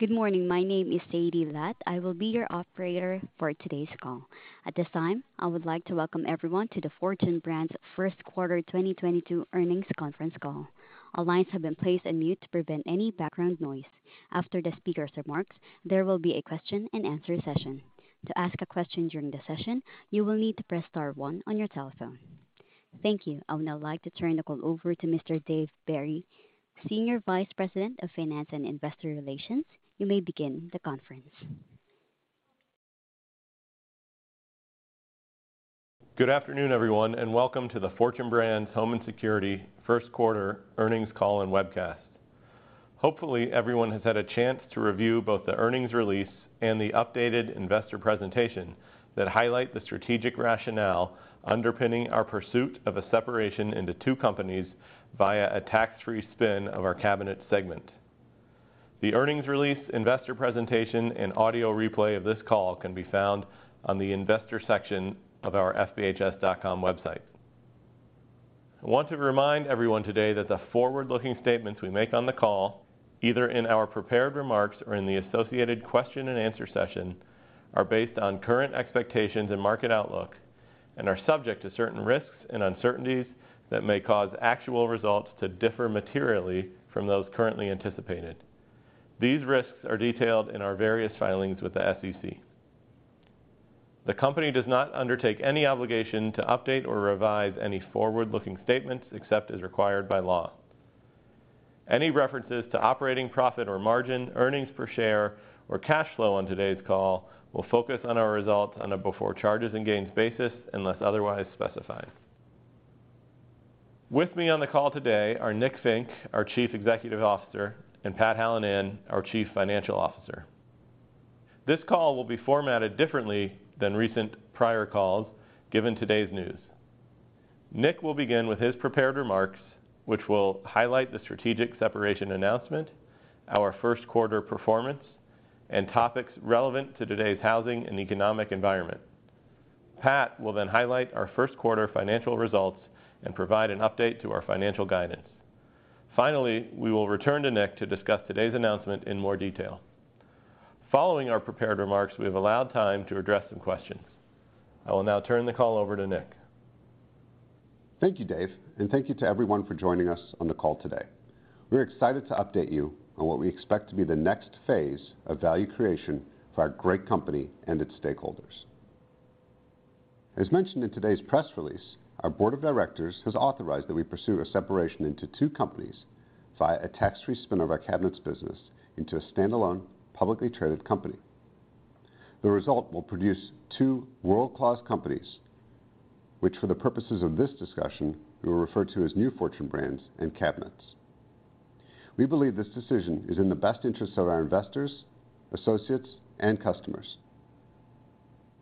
Good morning. My name is Sadie Lat. I will be your operator for today's call. At this time, I would like to welcome everyone to the Fortune Brands Q1 2022 Earnings Conference Call. All lines have been placed on mute to prevent any background noise. After the speaker's remarks, there will be a question-and-answer session. To ask a question during the session, you will need to press star one on your telephone. Thank you. I would now like to turn the call over to Mr. David Barry, Senior Vice President of Finance and Investor Relations. You may begin the conference. Good afternoon, everyone, and welcome to the Fortune Brands Home & Security Q1 Earnings Call and Webcast. Hopefully, everyone has had a chance to review both the earnings release and the updated investor presentation that highlight the strategic rationale underpinning our pursuit of a separation into two companies via a tax-free spin of our cabinets segment. The earnings release investor presentation and audio replay of this call can be found on the investor section of our fbhs.com website. I want to remind everyone today that the forward-looking statements we make on the call, either in our prepared remarks or in the associated question-and-answer session, are based on current expectations and market outlook and are subject to certain risks and uncertainties that may cause actual results to differ materially from those currently anticipated. These risks are detailed in our various filings with the SEC. The company does not undertake any obligation to update or revise any forward-looking statements except as required by law. Any references to operating profit or margin, earnings per share, or cash flow on today's call will focus on our results on a before charges and gains basis unless otherwise specified. With me on the call today are Nick Fink, our Chief Executive Officer, and Pat Hallinan, our Chief Financial Officer. This call will be formatted differently than recent prior calls given today's news. Nick will begin with his prepared remarks, which will highlight the strategic separation announcement, our Q1 performance, and topics relevant to today's housing and economic environment. Pat will then highlight our Q1 financial results and provide an update to our financial guidance. Finally, we will return to Nick to discuss today's announcement in more detail. Following our prepared remarks, we have allowed time to address some questions. I will now turn the call over to Nick. Thank you, David, and thank you to everyone for joining us on the call today. We're excited to update you on what we expect to be the next phase of value creation for our great company and its stakeholders. As mentioned in today's press release, our board of directors has authorized that we pursue a separation into two companies via a tax-free spin of our Cabinets business into a standalone publicly traded company. The result will produce two world-class companies, which, for the purposes of this discussion, we will refer to as New Fortune Brands and Cabinets. We believe this decision is in the best interest of our investors, associates, and customers.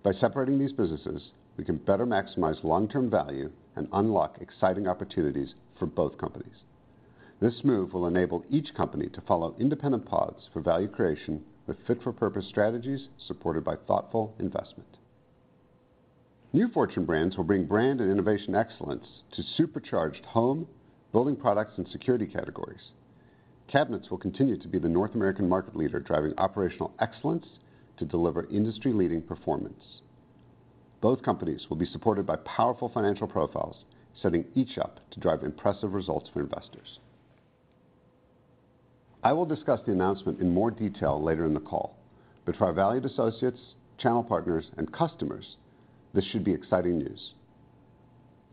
By separating these businesses, we can better maximize long-term value and unlock exciting opportunities for both companies. This move will enable each company to follow independent paths for value creation with fit-for-purpose strategies supported by thoughtful investment. New Fortune Brands will bring brand and innovation excellence to supercharged home, building products, and security categories. Cabinets will continue to be the North American market leader driving operational excellence to deliver industry-leading performance. Both companies will be supported by powerful financial profiles, setting each up to drive impressive results for investors. I will discuss the announcement in more detail later in the call, but for our valued associates, channel partners, and customers, this should be exciting news.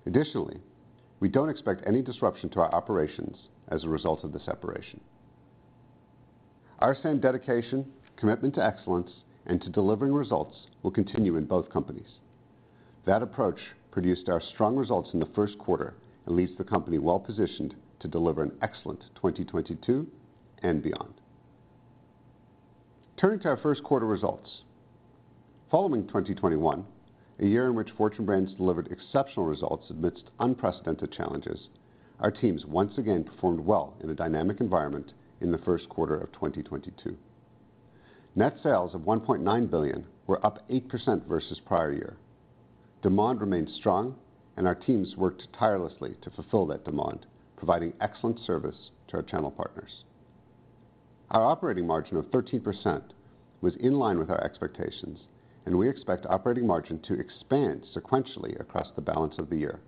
Additionally, we don't expect any disruption to our operations as a result of the separation. Our same dedication, commitment to excellence, and to delivering results will continue in both companies. That approach produced our strong results in the Q1 and leaves the company well-positioned to deliver an excellent 2022 and beyond. Turning to our Q1 results. Following 2021, a year in which Fortune Brands delivered exceptional results amidst unprecedented challenges, our teams once again performed well in a dynamic environment in the Q1 of 2022. Net sales of $1.9 billion were up 8% versus prior year. Demand remained strong, and our teams worked tirelessly to fulfill that demand, providing excellent service to our channel partners. Our operating margin of 13% was in line with our expectations, and we expect operating margin to expand sequentially across the balance of the year.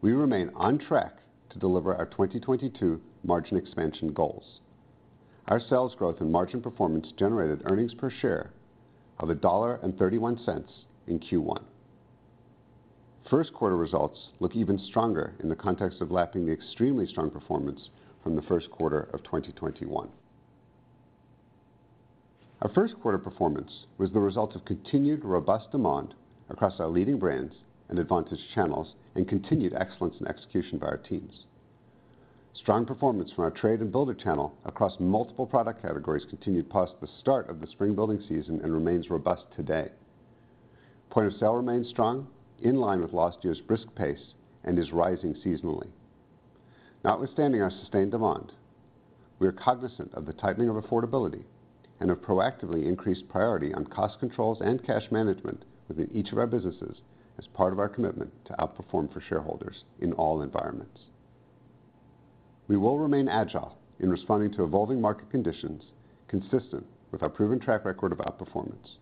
We remain on track to deliver our 2022 margin expansion goals. Our sales growth and margin performance generated earnings per share of $1.31 in Q1. Q1 results look even stronger in the context of lapping the extremely strong performance from the Q1 of 2021. Our Q1 performance was the result of continued robust demand across our leading brands and advantage channels and continued excellence and execution by our teams. Strong performance from our trade and builder channel across multiple product categories continued past the start of the spring building season and remains robust today. Point of sale remains strong, in line with last year's brisk pace and is rising seasonally. Notwithstanding our sustained demand, we are cognizant of the tightening of affordability and have proactively increased priority on cost controls and cash management within each of our businesses as part of our commitment to outperform for shareholders in all environments. We will remain agile in responding to evolving market conditions consistent with our proven track record of outperformance.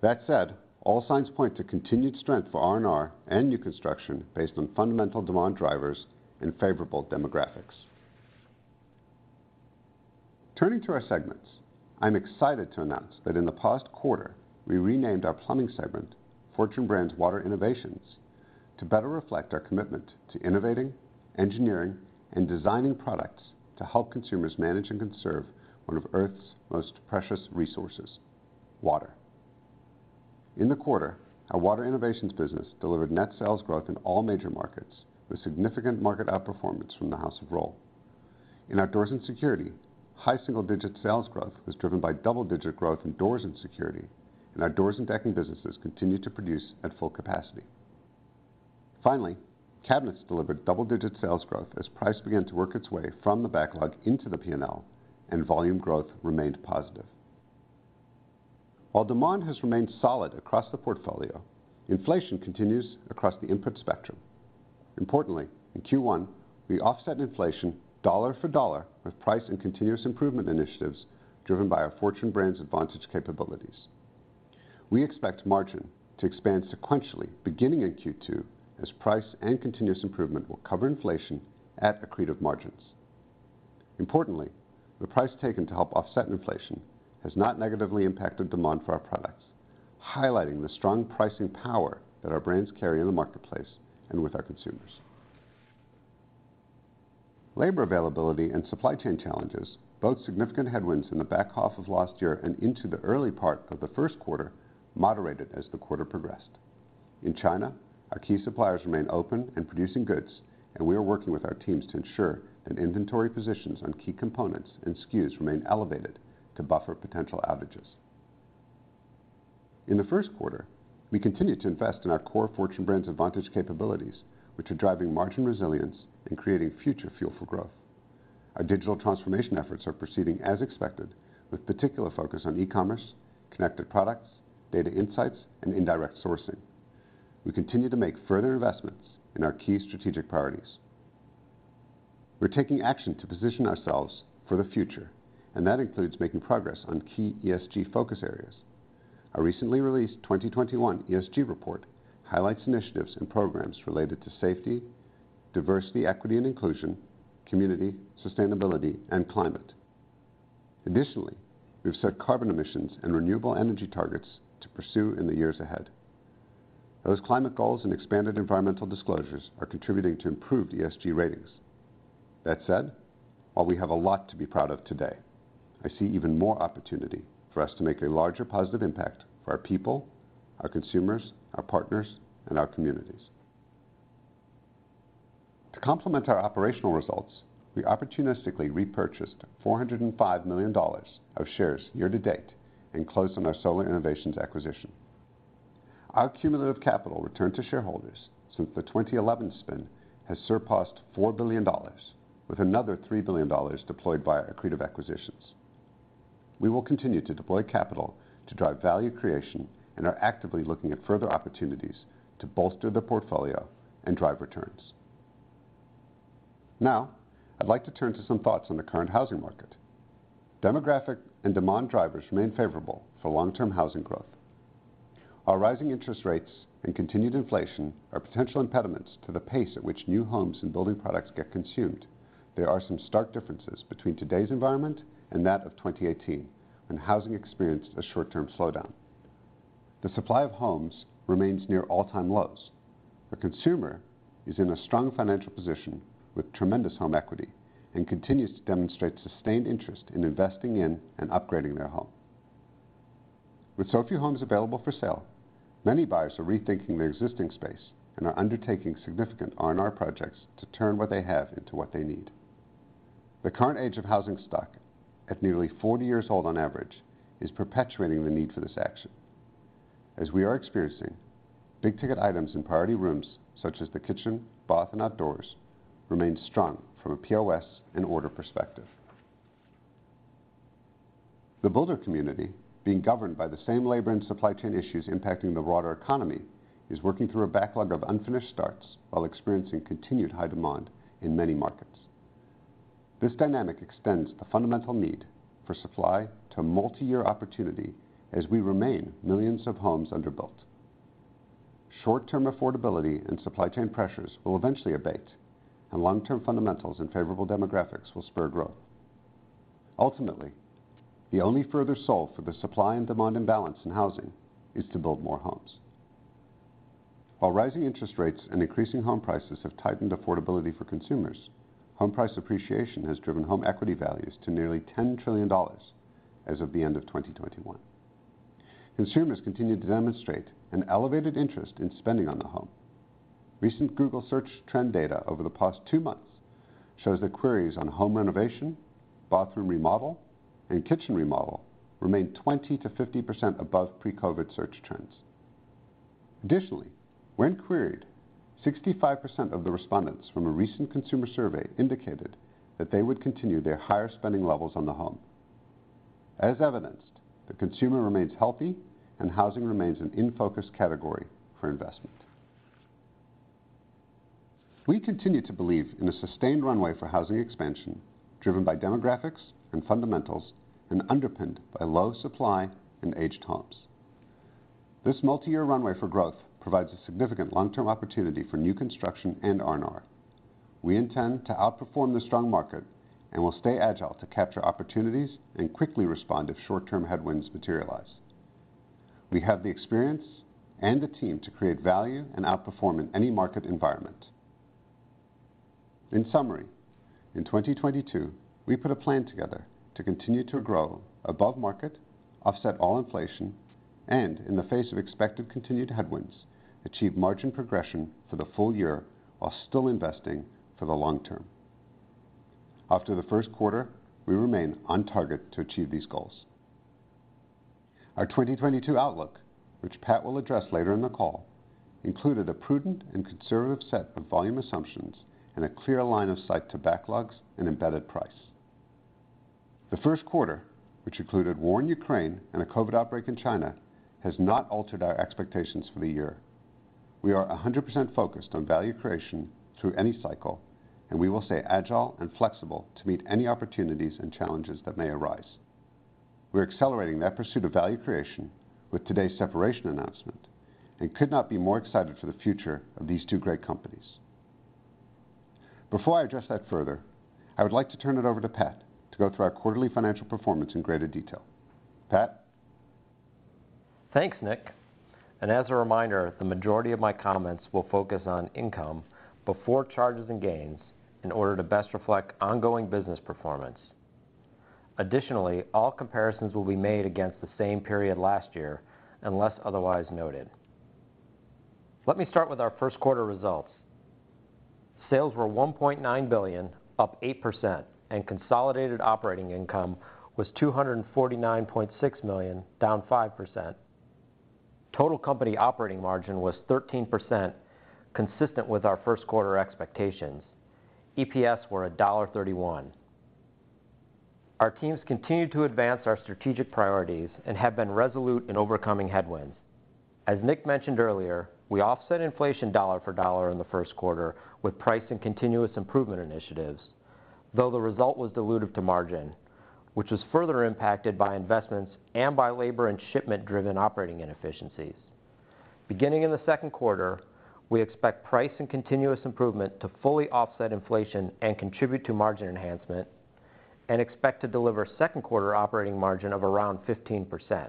That said, all signs point to continued strength for R&R and new construction based on fundamental demand drivers and favorable demographics. Turning to our segments, I'm excited to announce that in the past quarter, we renamed our plumbing segment Fortune Brands Water Innovations to better reflect our commitment to innovating, engineering, and designing products to help consumers manage and conserve one of Earth's most precious resources, water. In the quarter, our Water Innovations business delivered net sales growth in all major markets with significant market outperformance from the House of Rohl. In our Doors and Security, high single-digit sales growth was driven by double-digit growth in Doors and Security, and our doors and decking businesses continued to produce at full capacity. Finally, Cabinets delivered double-digit sales growth as price began to work its way from the backlog into the P&L and volume growth remained positive. While demand has remained solid across the portfolio, inflation continues across the input spectrum. Importantly, in Q1, we offset inflation dollar for dollar with price and continuous improvement initiatives driven by our Fortune Brands Advantage capabilities. We expect margin to expand sequentially beginning in Q2 as price and continuous improvement will cover inflation at accretive margins. Importantly, the price taken to help offset inflation has not negatively impacted demand for our products, highlighting the strong pricing power that our brands carry in the marketplace and with our consumers. Labor availability and supply chain challenges, both significant headwinds in the back half of last year and into the early part of the Q1, moderated as the quarter progressed. In China, our key suppliers remain open and producing goods, and we are working with our teams to ensure that inventory positions on key components and SKUs remain elevated to buffer potential outages. In the Q1, we continued to invest in our core Fortune Brands Advantage capabilities, which are driving margin resilience and creating future fuel for growth. Our digital transformation efforts are proceeding as expected, with particular focus on e-commerce, connected products, data insights, and indirect sourcing. We continue to make further investments in our key strategic priorities. We're taking action to position ourselves for the future, and that includes making progress on key ESG focus areas. Our recently released 2021 ESG report highlights initiatives and programs related to safety, diversity, equity and inclusion, community, sustainability, and climate. Additionally, we've set carbon emissions and renewable energy targets to pursue in the years ahead. Those climate goals and expanded environmental disclosures are contributing to improved ESG ratings. That said, while we have a lot to be proud of today, I see even more opportunity for us to make a larger positive impact for our people, our consumers, our partners, and our communities. To complement our operational results, we opportunistically repurchased $405 million of shares year to date and closed on our Solar Innovations acquisition. Our cumulative capital return to shareholders since the 2011 spin has surpassed $4 billion with another $3 billion deployed via accretive acquisitions. We will continue to deploy capital to drive value creation and are actively looking at further opportunities to bolster the portfolio and drive returns. Now, I'd like to turn to some thoughts on the current housing market. Demographic and demand drivers remain favorable for long-term housing growth. Our rising interest rates and continued inflation are potential impediments to the pace at which new homes and building products get consumed. There are some stark differences between today's environment and that of 2018 when housing experienced a short-term slowdown. The supply of homes remains near all-time lows. The consumer is in a strong financial position with tremendous home equity and continues to demonstrate sustained interest in investing in and upgrading their home. With so few homes available for sale, many buyers are rethinking their existing space and are undertaking significant R&R projects to turn what they have into what they need. The current age of housing stock, at nearly 40 years old on average, is perpetuating the need for this action. As we are experiencing, big-ticket items in priority rooms such as the kitchen, bath, and outdoors remain strong from a POS and order perspective. The builder community, being governed by the same labor and supply chain issues impacting the broader economy, is working through a backlog of unfinished starts while experiencing continued high demand in many markets. This dynamic extends the fundamental need for supply to multiyear opportunity as we remain millions of homes under built. Short-term affordability and supply chain pressures will eventually abate, and long-term fundamentals and favorable demographics will spur growth. Ultimately, the only further solve for the supply and demand imbalance in housing is to build more homes. While rising interest rates and increasing home prices have tightened affordability for consumers, home price appreciation has driven home equity values to nearly $10 trillion as of the end of 2021. Consumers continue to demonstrate an elevated interest in spending on the home. Recent Google search trend data over the past two months shows that queries on home renovation, bathroom remodel, and kitchen remodel remain 20% to 50% above pre-COVID search trends. Additionally, when queried, 65% of the respondents from a recent consumer survey indicated that they would continue their higher spending levels on the home. As evidenced, the consumer remains healthy, and housing remains an in-focus category for investment. We continue to believe in a sustained runway for housing expansion, driven by demographics and fundamentals, and underpinned by low supply and aged homes. This multiyear runway for growth provides a significant long-term opportunity for new construction and R&R. We intend to outperform the strong market, and will stay agile to capture opportunities, and quickly respond if short-term headwinds materialize. We have the experience and the team to create value and outperform in any market environment. In summary, in 2022, we put a plan together to continue to grow above market, offset all inflation, and in the face of expected continued headwinds, achieve margin progression for the full year while still investing for the long term. After the Q1, we remain on target to achieve these goals. Our 2022 outlook, which Pat will address later in the call, included a prudent and conservative set of volume assumptions and a clear line of sight to backlogs and embedded price. The Q1, which included war in Ukraine and a COVID outbreak in China, has not altered our expectations for the year. We are 100% focused on value creation through any cycle, and we will stay agile and flexible to meet any opportunities and challenges that may arise. We're accelerating that pursuit of value creation with today's separation announcement, and could not be more excited for the future of these two great companies. Before I address that further, I would like to turn it over to Pat to go through our quarterly financial performance in greater detail. Pat? Thanks, Nick. As a reminder, the majority of my comments will focus on income before charges and gains in order to best reflect ongoing business performance. Additionally, all comparisons will be made against the same period last year, unless otherwise noted. Let me start with our Q1 results. Sales were $1.9 billion, up 8%, and consolidated operating income was $249.6 million, down 5%. Total company operating margin was 13%, consistent with our Q1 expectations. EPS were $1.31. Our teams continued to advance our strategic priorities and have been resolute in overcoming headwinds. As Nick mentioned earlier, we offset inflation dollar for dollar in the Q1 with price and continuous improvement initiatives, though the result was dilutive to margin, which was further impacted by investments and by labor and shipment-driven operating inefficiencies. Beginning in the Q2, we expect price and continuous improvement to fully offset inflation and contribute to margin enhancement, and expect to deliver Q2 operating margin of around 15%.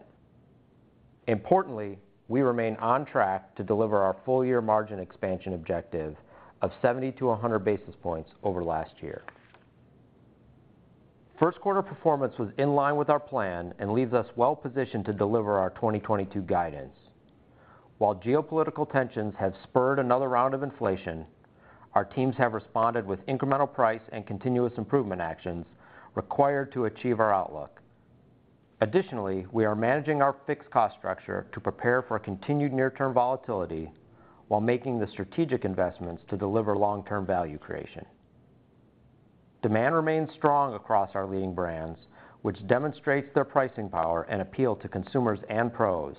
Importantly, we remain on track to deliver our full year margin expansion objective of 70 basis points to 100 basis points over last year. Q1 performance was in line with our plan and leaves us well-positioned to deliver our 2022 guidance. While geopolitical tensions have spurred another round of inflation, our teams have responded with incremental price and continuous improvement actions required to achieve our outlook. Additionally, we are managing our fixed cost structure to prepare for continued near-term volatility while making the strategic investments to deliver long-term value creation. Demand remains strong across our leading brands, which demonstrates their pricing power and appeal to consumers and pros.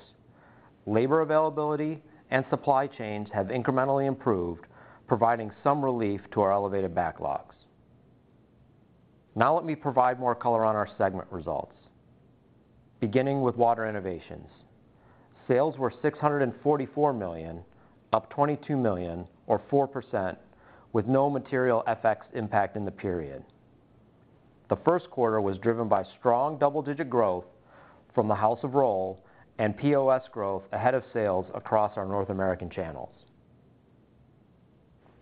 Labor availability and supply chains have incrementally improved, providing some relief to our elevated backlogs. Now let me provide more color on our segment results. Beginning with Water Innovations. Sales were $644 million, up $22 million or 4% with no material FX impact in the period. The Q1 was driven by strong double-digit growth from the House of Rohl and POS growth ahead of sales across our North American channels.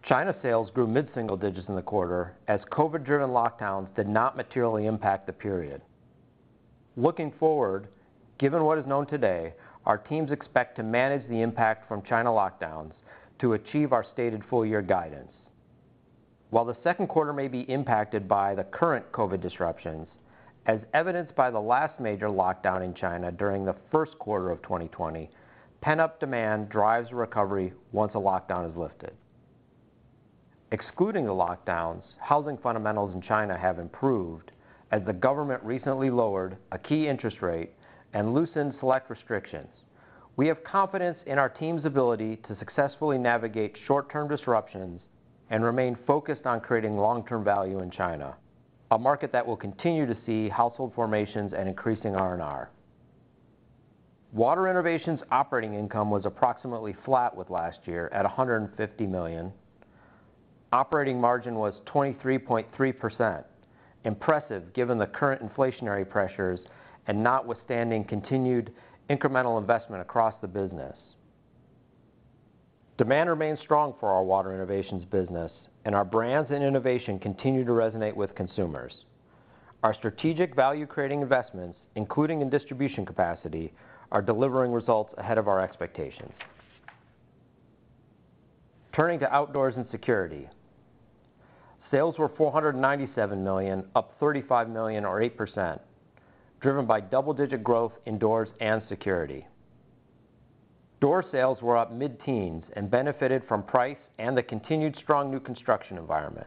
China sales grew mid-single digits in the quarter as COVID-driven lockdowns did not materially impact the period. Looking forward, given what is known today, our teams expect to manage the impact from China lockdowns to achieve our stated full year guidance. While the Q2 may be impacted by the current COVID disruptions, as evidenced by the last major lockdown in China during the Q1 of 2020, pent-up demand drives recovery once a lockdown is lifted. Excluding the lockdowns, housing fundamentals in China have improved as the government recently lowered a key interest rate and loosened select restrictions. We have confidence in our team's ability to successfully navigate short-term disruptions and remain focused on creating long-term value in China, a market that will continue to see household formations and increasing R&R. Water Innovations operating income was approximately flat with last year at $150 million. Operating margin was 23.3%, impressive given the current inflationary pressures and notwithstanding continued incremental investment across the business. Demand remains strong for our Water Innovations business, and our brands and innovation continue to resonate with consumers. Our strategic value-creating investments, including in distribution capacity, are delivering results ahead of our expectations. Turning to Outdoors and Security. Sales were $497 million, up $35 million or 8%, driven by double-digit growth in Doors and Security. Door sales were up mid-teens and benefited from price and the continued strong new construction environment.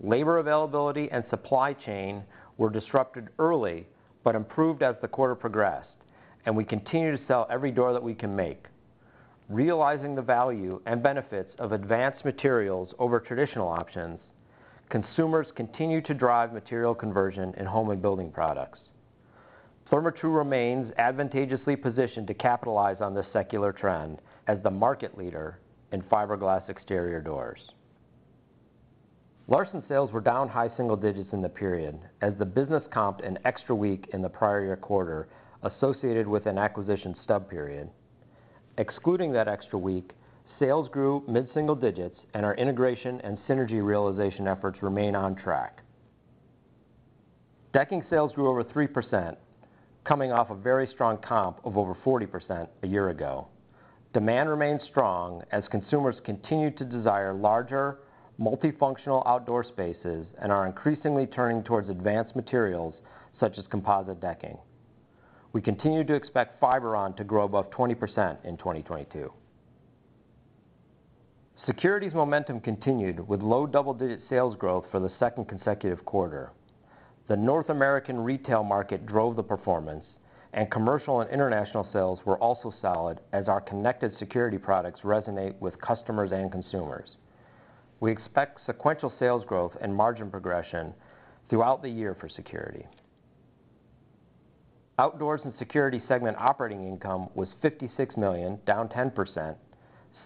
Labor availability and supply chain were disrupted early, but improved as the quarter progressed, and we continue to sell every door that we can make. Realizing the value and benefits of advanced materials over traditional options, consumers continue to drive material conversion in home and building products. Therma-Tru remains advantageously positioned to capitalize on this secular trend as the market leader in fiberglass exterior doors. Larson sales were down high single digits in the period as the business comped an extra week in the prior year quarter associated with an acquisition stub period. Excluding that extra week, sales grew mid-single digits and our integration and synergy realization efforts remain on track. Decking sales grew over 3%, coming off a very strong comp of over 40% a year ago. Demand remains strong as consumers continue to desire larger, multifunctional outdoor spaces and are increasingly turning towards advanced materials such as composite decking. We continue to expect Fiberon to grow above 20% in 2022. Security's momentum continued with low double-digit sales growth for the second consecutive quarter. The North American retail market drove the performance, and commercial and international sales were also solid as our connected security products resonate with customers and consumers. We expect sequential sales growth and margin progression throughout the year for security. Outdoors and Security segment operating income was $56 million, down 10%.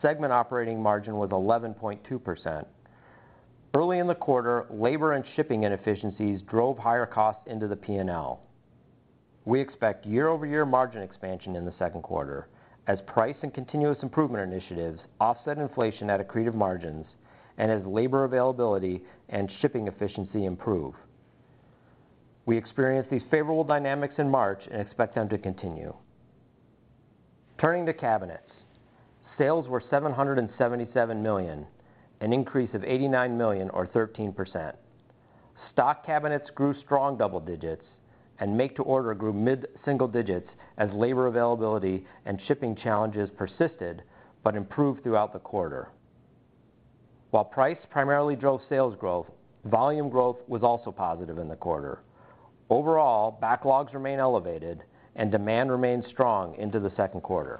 Segment operating margin was 11.2%. Early in the quarter, labor and shipping inefficiencies drove higher costs into the P&L. We expect year-over-year margin expansion in the Q1 as price and continuous improvement initiatives offset inflation at accretive margins and as labor availability and shipping efficiency improve. We experienced these favorable dynamics in March and expect them to continue. Turning to Cabinets. Sales were $777 million, an increase of $89 million or 13%. Stock Cabinets grew strong double digits and make-to-order grew mid-single digits as labor availability and shipping challenges persisted but improved throughout the quarter. While price primarily drove sales growth, volume growth was also positive in the quarter. Overall, backlogs remain elevated and demand remains strong into the Q1.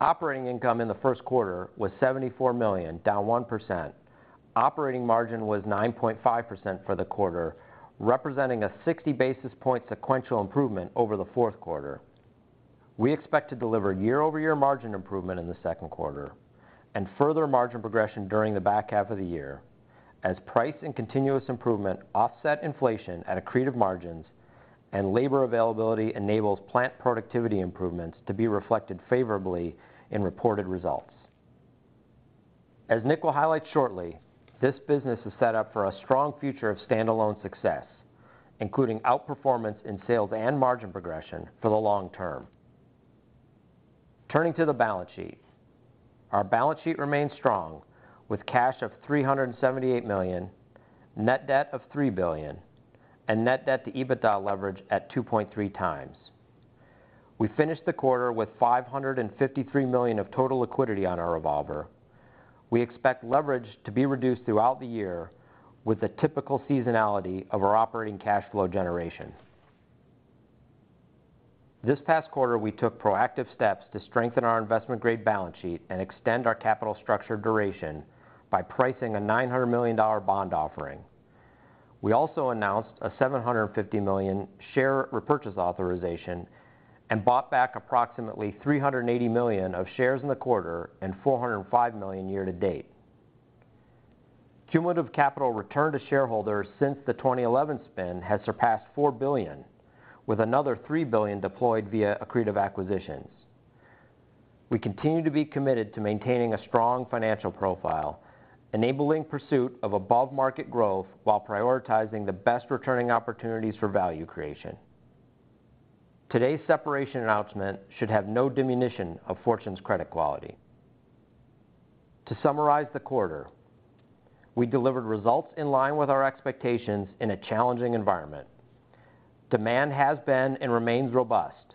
Operating income in the Q1 was $74 million, down 1%. Operating margin was 9.5% for the quarter, representing a 60 basis point sequential improvement over the Q4. We expect to deliver year-over-year margin improvement in the Q2 and further margin progression during the back half of the year as price and continuous improvement offset inflation at accretive margins and labor availability enables plant productivity improvements to be reflected favorably in reported results. As Nick will highlight shortly, this business is set up for a strong future of standalone success, including outperformance in sales and margin progression for the long term. Turning to the balance sheet. Our balance sheet remains strong with cash of $378 million, net debt of $3 billion, and net debt to EBITDA leverage at 2.3x. We finished the quarter with $553 million of total liquidity on our revolver. We expect leverage to be reduced throughout the year with the typical seasonality of our operating cash flow generation. This past quarter, we took proactive steps to strengthen our investment-grade balance sheet and extend our capital structure duration by pricing a $900 million bond offering. We also announced a $750 million share repurchase authorization and bought back approximately $380 million of shares in the quarter and $405 million year to date. Cumulative capital return to shareholders since the 2011 spin has surpassed $4 billion, with another $3 billion deployed via accretive acquisitions. We continue to be committed to maintaining a strong financial profile, enabling pursuit of above-market growth while prioritizing the best returning opportunities for value creation. Today's separation announcement should have no diminution of Fortune's credit quality. To summarize the quarter, we delivered results in line with our expectations in a challenging environment. Demand has been and remains robust.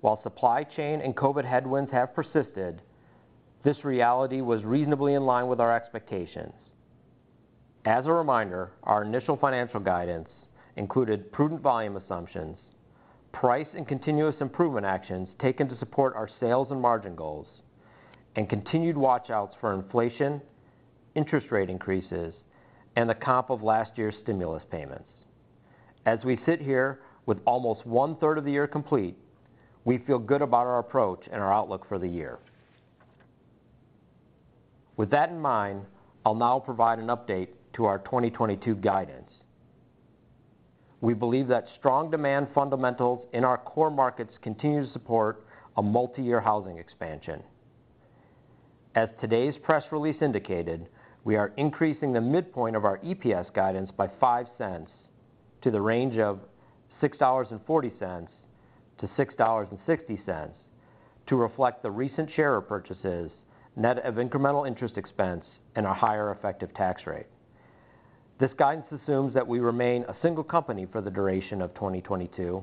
While supply chain and COVID headwinds have persisted, this reality was reasonably in line with our expectations. As a reminder, our initial financial guidance included prudent volume assumptions, price and continuous improvement actions taken to support our sales and margin goals, and continued watch outs for inflation, interest rate increases, and the comp of last year's stimulus payments. As we sit here with almost 1/3 of the year complete, we feel good about our approach and our outlook for the year. With that in mind, I'll now provide an update to our 2022 guidance. We believe that strong demand fundamentals in our core markets continue to support a multi-year housing expansion. As today's press release indicated, we are increasing the midpoint of our EPS guidance by $0.05 to the range of $6.40 to $6.60 to reflect the recent share repurchases, net of incremental interest expense and a higher effective tax rate. This guidance assumes that we remain a single company for the duration of 2022.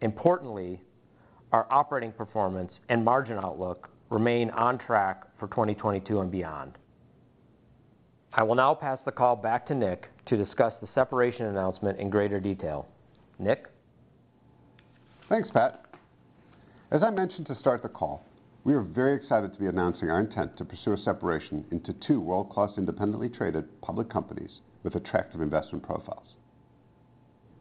Importantly, our operating performance and margin outlook remain on track for 2022 and beyond. I will now pass the call back to Nick to discuss the separation announcement in greater detail. Nick? Thanks, Pat. As I mentioned to start the call, we are very excited to be announcing our intent to pursue a separation into two world-class independently traded public companies with attractive investment profiles.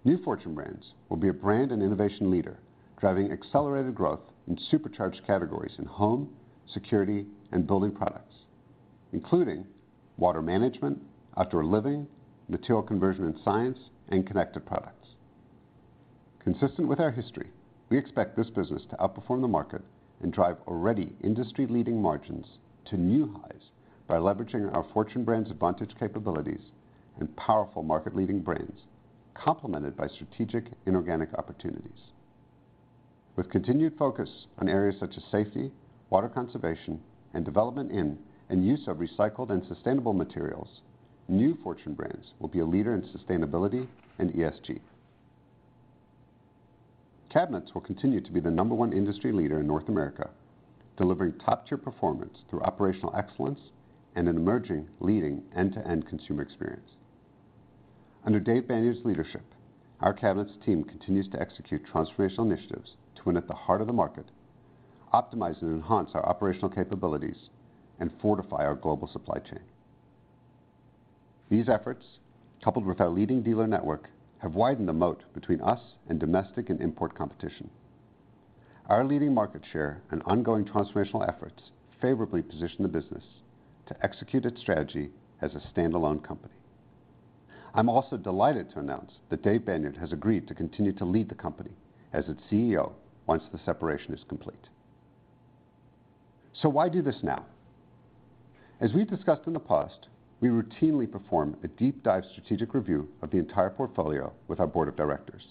New Fortune Brands will be a brand and innovation leader, driving accelerated growth in supercharged categories in home, security, and building products, including water management, outdoor living, material conversion and science, and connected products. Consistent with our history, we expect this business to outperform the market and drive already industry-leading margins to new highs by leveraging our Fortune Brands Advantage capabilities and powerful market-leading brands, complemented by strategic inorganic opportunities. With continued focus on areas such as safety, water conservation, and development in and use of recycled and sustainable materials, New Fortune Brands will be a leader in sustainability and ESG. Cabinets will continue to be the number one industry leader in North America, delivering top-tier performance through operational excellence and an emerging leading end-to-end consumer experience. Under Dave Banyard's leadership, our Cabinets team continues to execute transformational initiatives to win at the heart of the market, optimize and enhance our operational capabilities, and fortify our global supply chain. These efforts, coupled with our leading dealer network, have widened the moat between us and domestic and import competition. Our leading market share and ongoing transformational efforts favorably position the business to execute its strategy as a standalone company. I'm also delighted to announce that Dave Banyard has agreed to continue to lead the company as its CEO once the separation is complete. Why do this now? As we discussed in the past, we routinely perform a deep dive strategic review of the entire portfolio with our board of directors.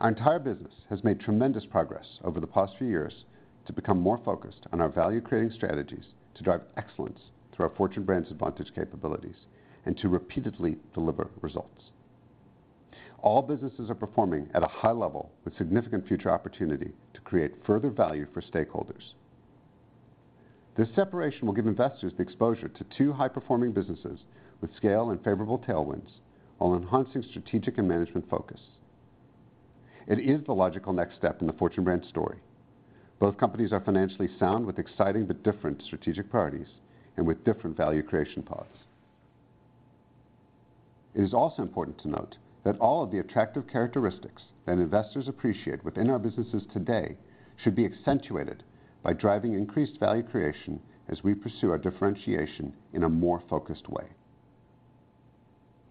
Our entire business has made tremendous progress over the past few years to become more focused on our value-creating strategies to drive excellence through our Fortune Brands Advantage capabilities and to repeatedly deliver results. All businesses are performing at a high level with significant future opportunity to create further value for stakeholders. This separation will give investors the exposure to two high-performing businesses with scale and favorable tailwinds while enhancing strategic and management focus. It is the logical next step in the Fortune Brands story. Both companies are financially sound with exciting but different strategic priorities and with different value creation paths. It is also important to note that all of the attractive characteristics that investors appreciate within our businesses today should be accentuated by driving increased value creation as we pursue our differentiation in a more focused way.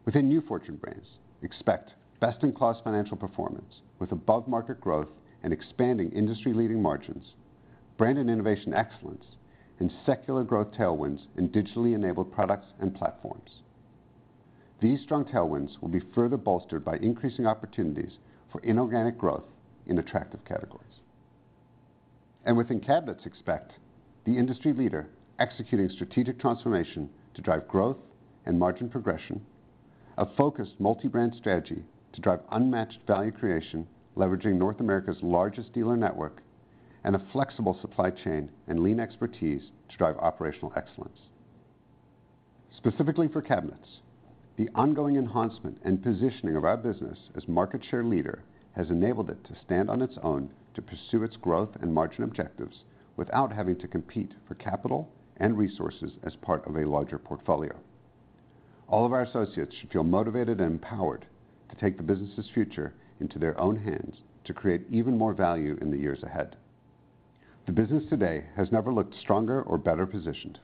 Within New Fortune Brands, expect best-in-class financial performance with above-market growth and expanding industry-leading margins, brand and innovation excellence, and secular growth tailwinds in digitally-enabled products and platforms. These strong tailwinds will be further bolstered by increasing opportunities for inorganic growth in attractive categories. Within Cabinets, expect the industry leader executing strategic transformation to drive growth and margin progression, a focused multi-brand strategy to drive unmatched value creation, leveraging North America's largest dealer network, and a flexible supply chain and lean expertise to drive operational excellence. Specifically for Cabinets, the ongoing enhancement and positioning of our business as market share leader has enabled it to stand on its own to pursue its growth and margin objectives without having to compete for capital and resources as part of a larger portfolio. All of our associates should feel motivated and empowered to take the business's future into their own hands to create even more value in the years ahead. The business today has never looked stronger or better positioned.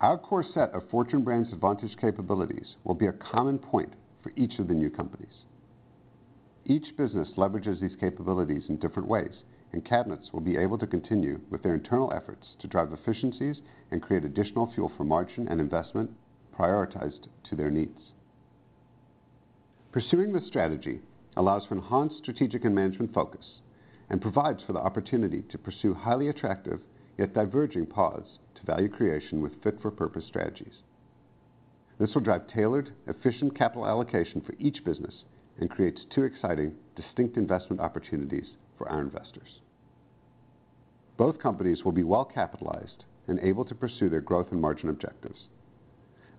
Our core set of Fortune Brands Advantage capabilities will be a common point for each of the new companies. Each business leverages these capabilities in different ways, and Cabinets will be able to continue with their internal efforts to drive efficiencies and create additional fuel for margin and investment prioritized to their needs. Pursuing this strategy allows for enhanced strategic and management focus and provides for the opportunity to pursue highly attractive yet diverging paths to value creation with fit-for-purpose strategies. This will drive tailored, efficient capital allocation for each business and creates two exciting, distinct investment opportunities for our investors. Both companies will be well-capitalized and able to pursue their growth and margin objectives.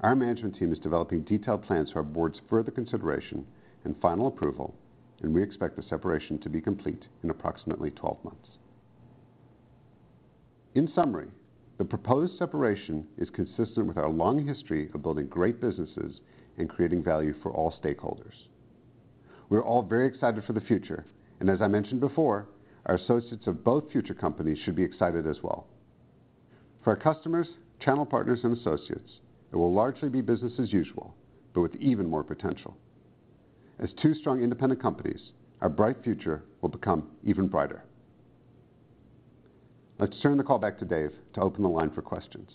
Our management team is developing detailed plans for our board's further consideration and final approval, and we expect the separation to be complete in approximately 12 months. In summary, the proposed separation is consistent with our long history of building great businesses and creating value for all stakeholders. We're all very excited for the future, and as I mentioned before, our associates of both future companies should be excited as well. For our customers, channel partners, and associates, it will largely be business as usual, but with even more potential. As two strong independent companies, our bright future will become even brighter. Let's turn the call back to David to open the line for questions.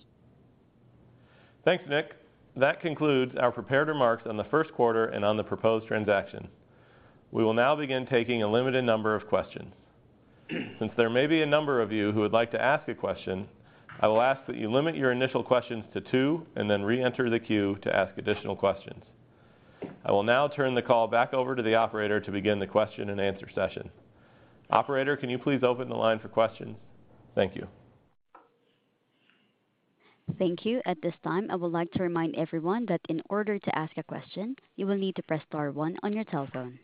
Thanks, Nick. That concludes our prepared remarks on the Q1 and on the proposed transaction. We will now begin taking a limited number of questions. Since there may be a number of you who would like to ask a question, I will ask that you limit your initial questions to two, and then reenter the queue to ask additional questions. I will now turn the call back over to the operator to begin the question and answer session. Operator, can you please open the line for questions? Thank you. Thank you. At this time, I would like to remind everyone that in order to ask a question, you will need to press star one on your telephone.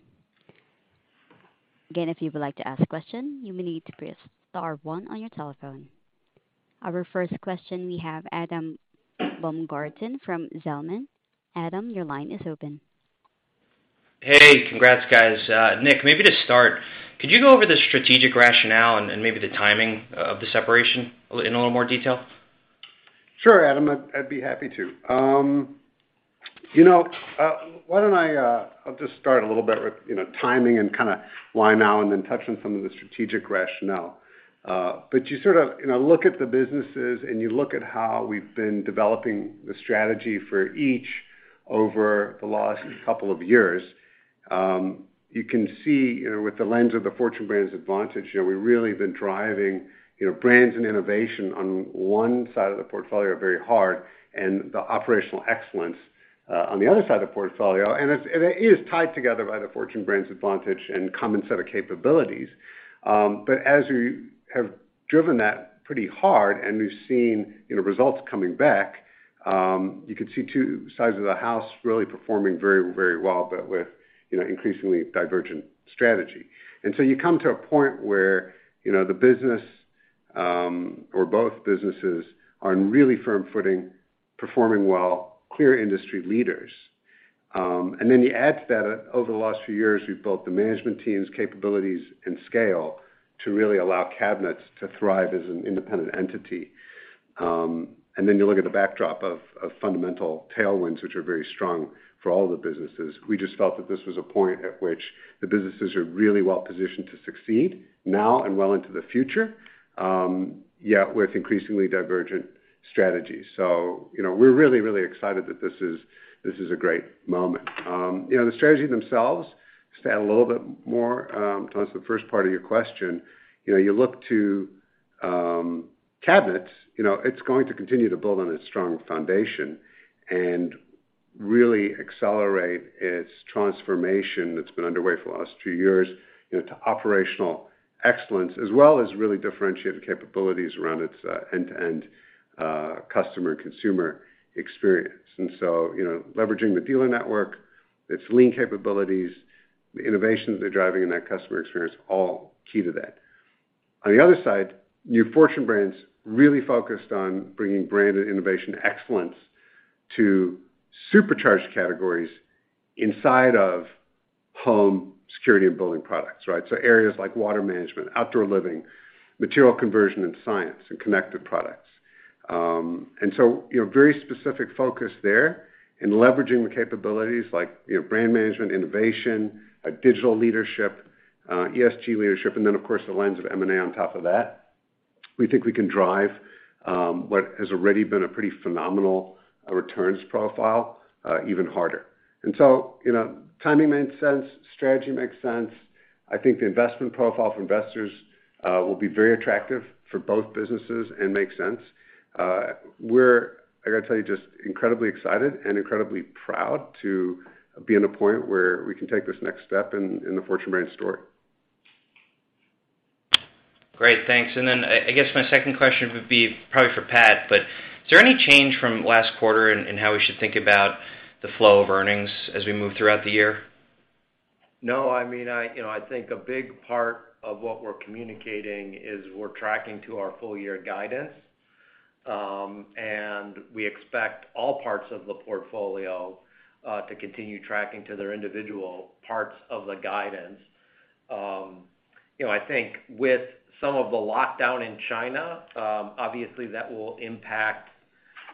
Again, if you would like to ask a question, you will need to press star one on your telephone. Our first question, we have Adam Baumgarten from Zelman. Adam, your line is open. Congrats, guys. Nick, maybe to start, could you go over the strategic rationale and maybe the timing of the separation in a little more detail? Sure, Adam, I'd be happy to. You know, why don't I just start a little bit with you know, timing and kind of why now, and then touch on some of the strategic rationale. You sort of, you know, look at the businesses, and you look at how we've been developing the strategy for each over the last couple of years. You can see, you know, with the lens of the Fortune Brands Advantage, you know, we've really been driving, you know, brands and innovation on one side of the portfolio very hard and the operational excellence on the other side of the portfolio. It is tied together by the Fortune Brands Advantage and common set of capabilities. As we have driven that pretty hard and we've seen, you know, results coming back, you could see two sides of the house really performing very, very well, but with, you know, increasingly divergent strategy. You come to a point where, you know, the business, or both businesses are in really firm footing, performing well, clear industry leaders. You add to that, over the last few years, we've built the management teams, capabilities and scale to really allow Cabinets to thrive as an independent entity. You look at the backdrop of fundamental tailwinds, which are very strong for all the businesses. We just felt that this was a point at which the businesses are really well positioned to succeed now and well into the future, yet with increasingly divergent strategies. You know, we're really, really excited that this is a great moment. You know, the strategy themselves, just to add a little bit more, towards the first part of your question. You know, you look to Cabinets, you know, it's going to continue to build on its strong foundation and really accelerate its transformation that's been underway for the last few years, you know, to operational excellence, as well as really differentiating capabilities around its end-to-end customer consumer experience. You know, leveraging the dealer network, its lean capabilities, the innovations they're driving in that customer experience, all key to that. On the other side, New Fortune Brands really focused on bringing brand and innovation excellence to supercharge categories inside of home security and building products, right? Areas like water management, outdoor living, material conversion and science, and connected products. You know, very specific focus there in leveraging the capabilities like, you know, brand management, innovation, digital leadership, ESG leadership, and then of course, the lens of M&A on top of that. We think we can drive what has already been a pretty phenomenal returns profile even harder. You know, timing makes sense, strategy makes sense. I think the investment profile for investors will be very attractive for both businesses and make sense. We're, I gotta tell you, just incredibly excited and incredibly proud to be in a point where we can take this next step in the Fortune Brands story. Great. Thanks. Then I guess my second question would be probably for Pat, but is there any change from last quarter in how we should think about the flow of earnings as we move throughout the year? No. I mean, you know, I think a big part of what we're communicating is we're tracking to our full-year guidance. We expect all parts of the portfolio to continue tracking to their individual parts of the guidance. You know, I think with some of the lockdown in China, obviously, that will impact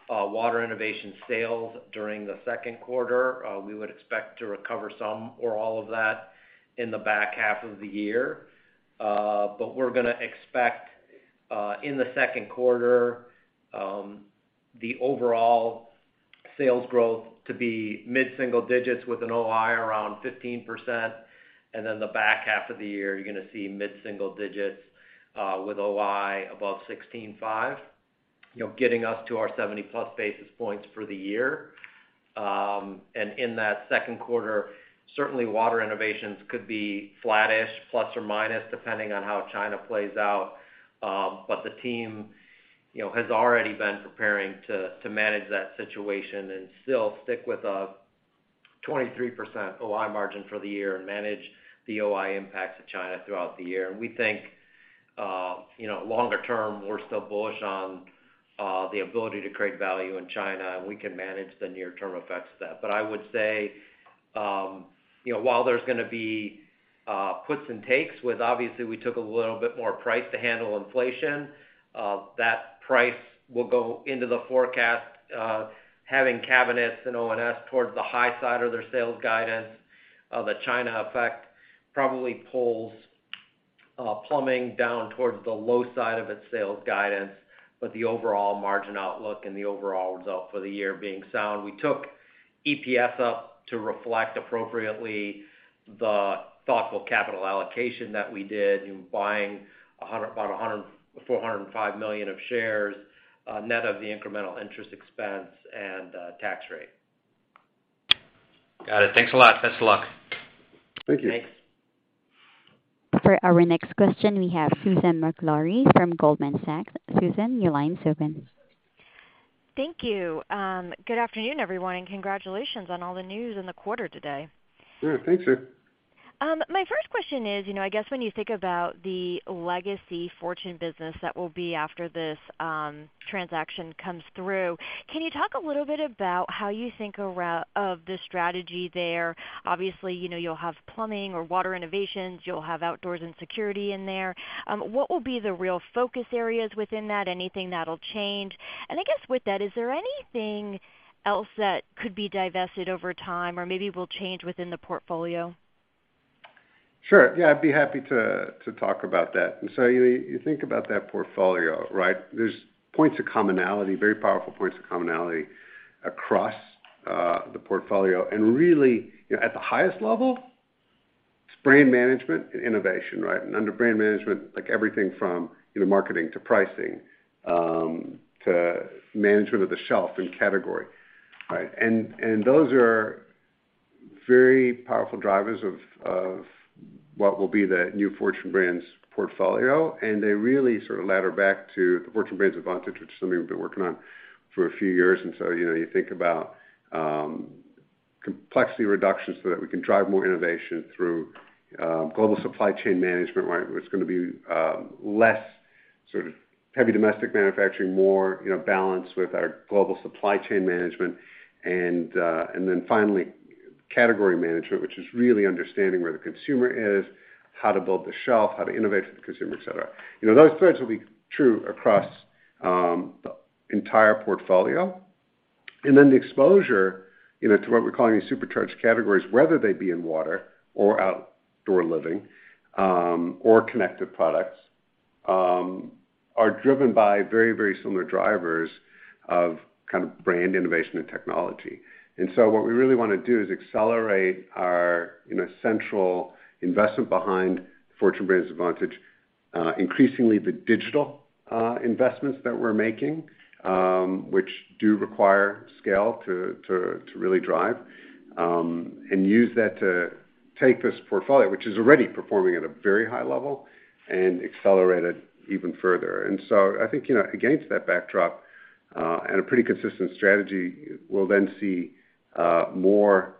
Water Innovations sales during the Q2. We would expect to recover some or all of that in the back half of the year. We're gonna expect in the Q2 the overall sales growth to be mid-single digits with an OI around 15%. Then the back half of the year, you're gonna see mid-single digits with OI above 16.5%, you know, getting us to our 70+ basis points for the year. In that Q2, certainly Water Innovations could be flattish, plus or minus, depending on how China plays out. The team, you know, has already been preparing to manage that situation and still stick with a 23% OI margin for the year and manage the OI impacts of China throughout the year. We think, you know, longer term, we're still bullish on the ability to create value in China, and we can manage the near term effects of that. I would say while there's gonna be puts and takes with obviously we took a little bit more price to handle inflation, that price will go into the forecast, having cabinets and O&S towards the high side of their sales guidance. The China effect probably pulls plumbing down towards the low side of its sales guidance, but the overall margin outlook and the overall result for the year being sound. We took EPS up to reflect appropriately the thoughtful capital allocation that we did in buying 405 million of shares, net of the incremental interest expense and tax rate. Got it. Thanks a lot. Best of luck. Thank you. Thanks. For our next question, we have Susan Maklari from Goldman Sachs. Susan, your line's open. Thank you. Good afternoon, everyone, and congratulations on all the news in the quarter today. Yeah, thanks, Sue. My first question is, you know, I guess when you think about the legacy Fortune business that will be after this transaction comes through, can you talk a little bit about how you think of the strategy there? Obviously, you know, you'll have plumbing or Water Innovations, you'll have Outdoors and Security in there. What will be the real focus areas within that? Anything that'll change? I guess, with that, is there anything else that could be divested over time or maybe will change within the portfolio? Sure. Yeah, I'd be happy to talk about that. You think about that portfolio, right? There's points of commonality, very powerful points of commonality across the portfolio. Really, you know, at the highest level, it's brand management and innovation, right? Under brand management, like everything from, you know, marketing to pricing to management of the shelf and category, right? Those are very powerful drivers of what will be the new Fortune Brands portfolio, and they really sort of ladder back to the Fortune Brands Advantage, which is something we've been working on for a few years. You know, you think about complexity reduction so that we can drive more innovation through global supply chain management, right? Where it's gonna be less sort of heavy domestic manufacturing, more, you know, balanced with our global supply chain management. Finally, category management, which is really understanding where the consumer is, how to build the shelf, how to innovate for the consumer, et cetera. You know, those threads will be true across the entire portfolio. The exposure, you know, to what we're calling these supercharged categories, whether they be in water or outdoor living or connected products, are driven by very, very similar drivers of kind of brand innovation and technology. What we really wanna do is accelerate our, you know, central investment behind Fortune Brands Advantage, increasingly the digital investments that we're making, which do require scale to really drive, and use that to take this portfolio, which is already performing at a very high level, and accelerate it even further. I think, you know, against that backdrop, and a pretty consistent strategy, we'll then see more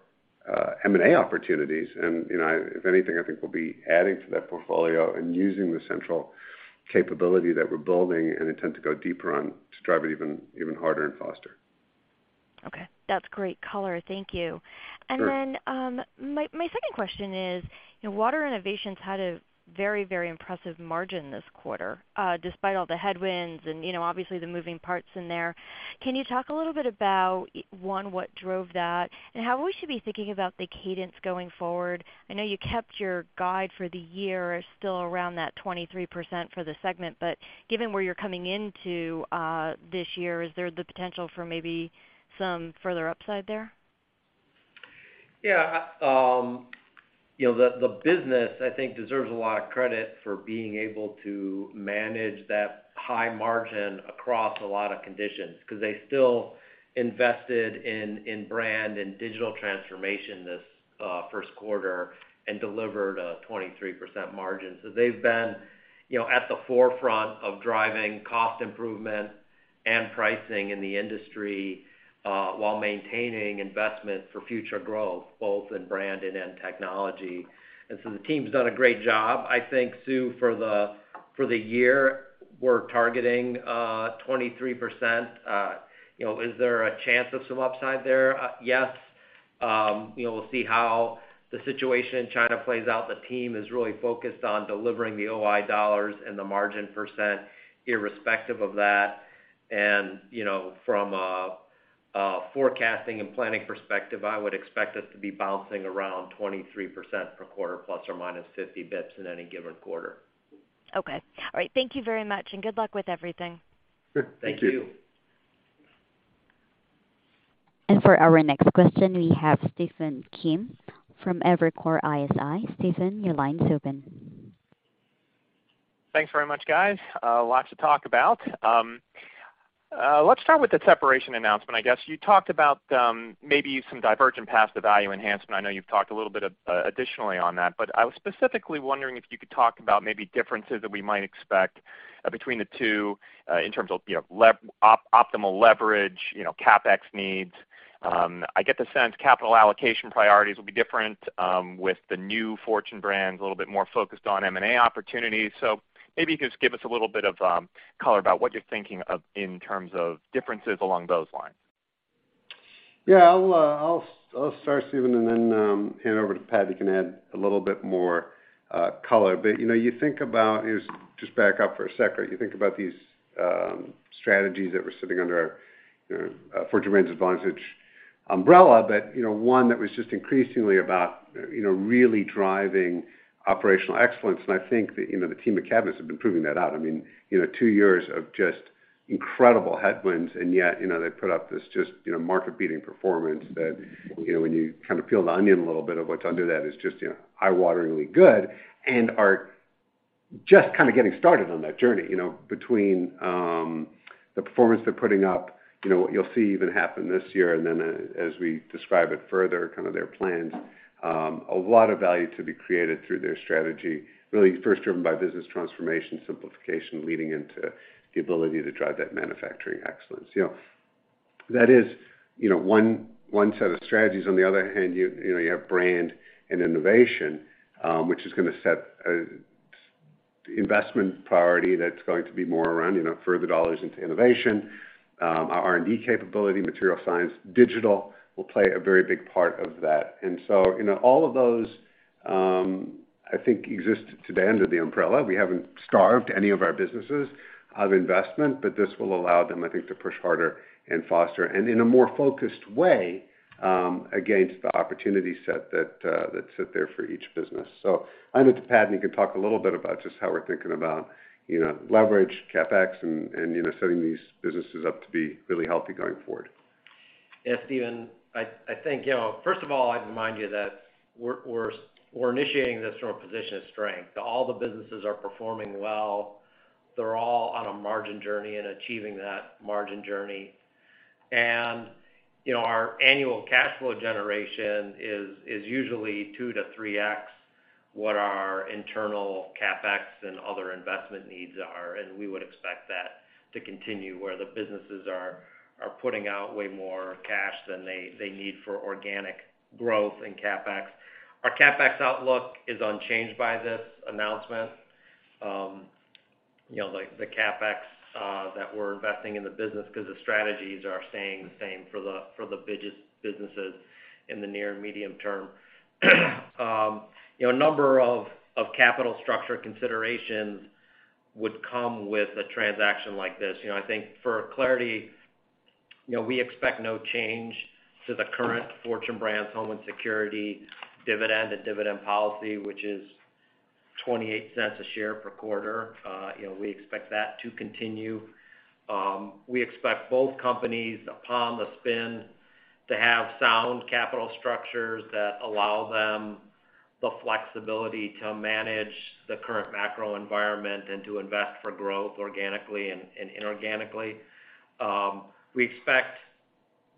M&A opportunities. You know, if anything, I think we'll be adding to that portfolio and using the central capability that we're building and intend to go deeper on to drive it even harder and faster. Okay. That's great color. Thank you. Sure. My second question is, you know, Water Innovations had a very, very impressive margin this quarter, despite all the headwinds and, you know, obviously the moving parts in there. Can you talk a little bit about, one, what drove that and how we should be thinking about the cadence going forward? I know you kept your guide for the year still around that 23% for the segment, but given where you're coming into this year, is there the potential for maybe some further upside there? Yeah. You know, the business, I think, deserves a lot of credit for being able to manage that high margin across a lot of conditions, because they still invested in brand and digital transformation this Q1 and delivered a 23% margin. They've been, you know, at the forefront of driving cost improvement and pricing in the industry, while maintaining investment for future growth, both in brand and in technology. The team's done a great job. I think, Sue, for the year, we're targeting 23%. You know, is there a chance of some upside there? Yes. You know, we'll see how the situation in China plays out. The team is really focused on delivering the OI dollars and the margin percent irrespective of that. You know, from a forecasting and planning perspective, I would expect us to be bouncing around 23% per quarter, plus or minus 50 basis points in any given quarter. Okay. All right. Thank you very much, and good luck with everything. Sure. Thank you. Thank you. For our next question, we have Stephen Kim from Evercore ISI. Stephen, your line's open. Thanks very much, guys. Lots to talk about. Let's start with the separation announcement, I guess. You talked about maybe some divergent paths to value enhancement. I know you've talked a little bit additionally on that, but I was specifically wondering if you could talk about maybe differences that we might expect between the two in terms of, you know, optimal leverage, you know, CapEx needs. I get the sense capital allocation priorities will be different with the new Fortune Brands, a little bit more focused on M&A opportunities. Maybe you could just give us a little bit of color about what you're thinking of in terms of differences along those lines. Yeah. I'll start, Stephen, and then hand over to Pat, who can add a little bit more color. You know, you think about. Just back up for a second. You think about these strategies that we're sitting under for Fortune Brands' Advantage umbrella, but you know, one that was just increasingly about, you know, really driving operational excellence. I think the, you know, the Cabinets team have been proving that out. I mean, you know, two years of just incredible headwinds, and yet, you know, they put up this just, you know, market-beating performance that, you know, when you kind of peel the onion a little bit of what's under that is just, you know, eye-wateringly good and are just kinda getting started on that journey, you know. Between the performance they're putting up, you know, what you'll see even happen this year, and then as we describe it further, kind of their plans, a lot of value to be created through their strategy, really first driven by business transformation simplification, leading into the ability to drive that manufacturing excellence. You know, that is, you know, one set of strategies. On the other hand, you know, you have brand and innovation, which is gonna set investment priority that's going to be more around, you know, further dollars into innovation. Our R&D capability, material science, digital will play a very big part of that. You know, all of those, I think exist today under the umbrella. We haven't starved any of our businesses of investment, but this will allow them, I think, to push harder and foster, and in a more focused way, against the opportunity set that that sit there for each business. I'll hand it to Pat, and he can talk a little bit about just how we're thinking about, you know, leverage, CapEx and, you know, setting these businesses up to be really healthy going forward. Yeah. Stephen, I think, you know, first of all, I'd remind you that we're initiating this from a position of strength. All the businesses are performing well. They're all on a margin journey and achieving that margin journey. You know, our annual cash flow generation is usually 2x to 3x what our internal CapEx and other investment needs are, and we would expect that to continue where the businesses are putting out way more cash than they need for organic growth and CapEx. Our CapEx outlook is unchanged by this announcement. You know, like, the CapEx that we're investing in the business 'cause the strategies are staying the same for the businesses in the near and medium term. You know, a number of capital structure considerations would come with a transaction like this. You know, I think for clarity, you know, we expect no change to the current Fortune Brands Home & Security dividend and dividend policy, which is $0.28 a share per quarter. You know, we expect that to continue. We expect both companies upon the spin to have sound capital structures that allow them the flexibility to manage the current macro environment and to invest for growth organically and inorganically. We expect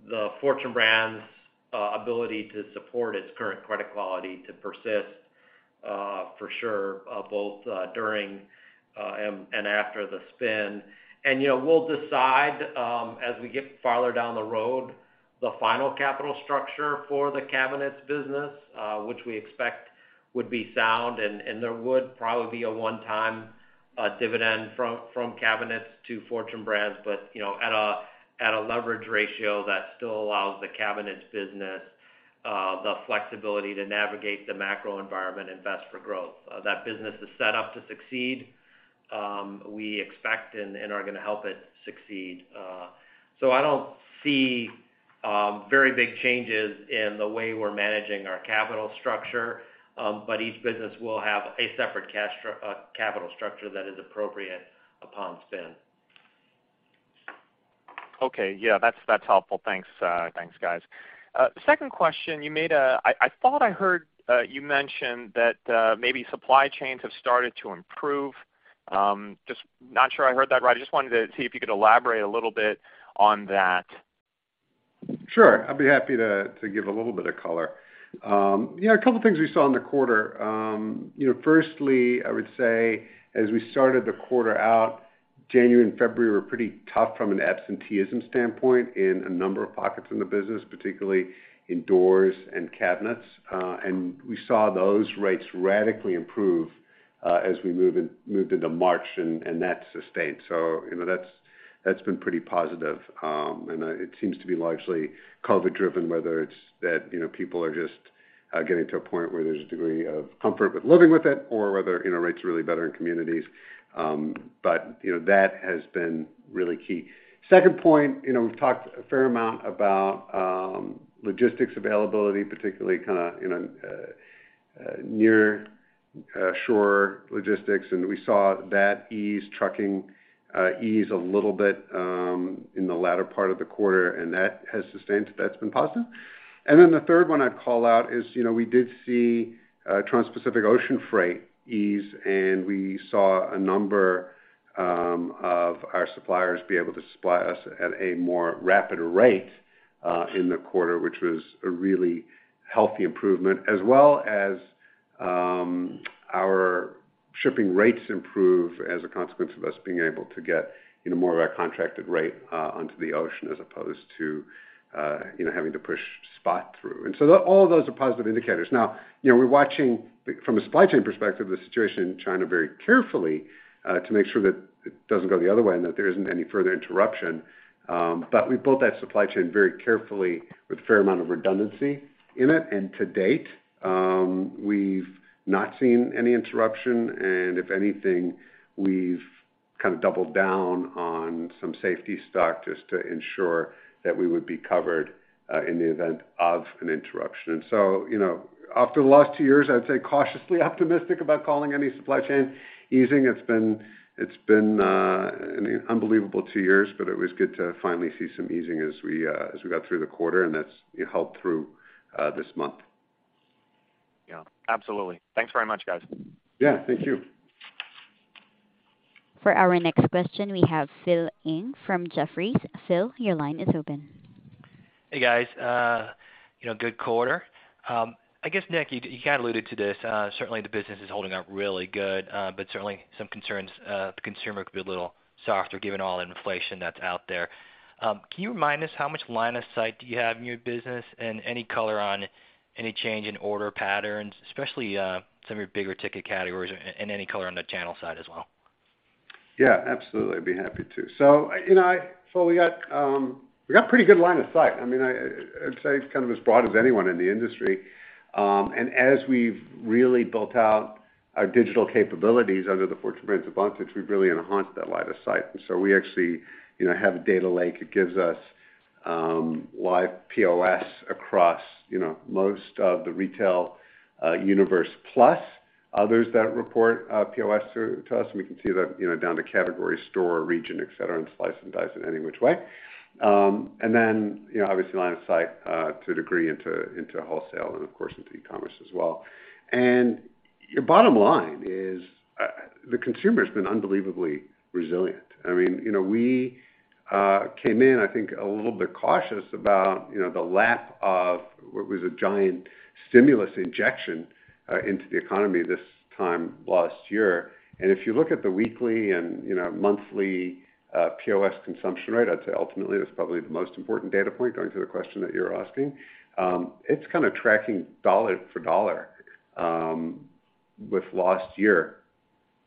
the Fortune Brands ability to support its current credit quality to persist, for sure, both during and after the spin. You know, we'll decide, as we get farther down the road, the final capital structure for the cabinets business, which we expect would be sound. There would probably be a one-time dividend from Cabinets to Fortune Brands, you know, at a leverage ratio that still allows the Cabinets business the flexibility to navigate the macro environment, invest for growth. That business is set up to succeed, we expect and are gonna help it succeed. I don't see very big changes in the way we're managing our capital structure. Each business will have a separate capital structure that is appropriate upon spin. Okay. Yeah. That's helpful. Thanks. Thanks, guys. Second question. I thought I heard you mention that maybe supply chains have started to improve. Just not sure I heard that right. I just wanted to see if you could elaborate a little bit on that. Sure. I'd be happy to give a little bit of color. You know, a couple things we saw in the quarter. You know, firstly, I would say, as we started the quarter out, January and February were pretty tough from an absenteeism standpoint in a number of pockets in the business, particularly in doors and cabinets. We saw those rates radically improve as we moved into March, and that sustained. You know, that's been pretty positive. It seems to be largely COVID driven, whether it's that, you know, people are just getting to a point where there's a degree of comfort with living with it or whether, you know, rates are really better in communities. You know, that has been really key. Second point, you know, we've talked a fair amount about logistics availability, particularly kinda, you know, near shore logistics, and we saw that ease a little bit in the latter part of the quarter and that has sustained. That's been positive. The third one I'd call out is, you know, we did see transpacific ocean freight ease, and we saw a number of our suppliers be able to supply us at a more rapid rate in the quarter, which was a really healthy improvement. As well as our shipping rates improve as a consequence of us being able to get, you know, more of our contracted rate onto the ocean as opposed to, you know, having to push spot through. All those are positive indicators. Now, you know, we're watching from a supply chain perspective, the situation in China very carefully, to make sure that it doesn't go the other way and that there isn't any further interruption. We built that supply chain very carefully with a fair amount of redundancy in it. To date, we've not seen any interruption, and if anything, we've kind of doubled down on some safety stock just to ensure that we would be covered in the event of an interruption. You know, after the last two years, I'd say cautiously optimistic about calling any supply chain easing. It's been an unbelievable two years, but it was good to finally see some easing as we got through the quarter, and that's helped through this month. Yeah. Absolutely. Thanks very much, guys. Yeah, thank you. For our next question, we have Philip Ng from Jefferies. Phil, your line is open. Hey, guys. You know, good quarter. I guess, Nick, you kind of alluded to this, certainly the business is holding up really good, but certainly some concerns, the consumer could be a little softer given all the inflation that's out there. Can you remind us how much line of sight do you have in your business? And any color on any change in order patterns, especially, some of your bigger ticket categories, and any color on the channel side as well? Yeah, absolutely. I'd be happy to. You know, we got pretty good line of sight. I mean, I'd say it's kind of as broad as anyone in the industry. As we've really built out our digital capabilities under the Fortune Brands Advantage, we've really enhanced that line of sight. We actually, you know, have a data lake that gives us live POS across, you know, most of the retail universe, plus others that report POS to us, and we can see that, you know, down to category, store, region, et cetera, and slice and dice it any which way. You know, obviously line of sight to a degree into wholesale and of course into e-commerce as well. Your bottom line is the consumer has been unbelievably resilient. I mean, you know, we came in, I think, a little bit cautious about, you know, the lap of what was a giant stimulus injection into the economy this time last year. If you look at the weekly and, you know, monthly POS consumption rate, I'd say ultimately that's probably the most important data point going to the question that you're asking. It's kind of tracking dollar for dollar with last year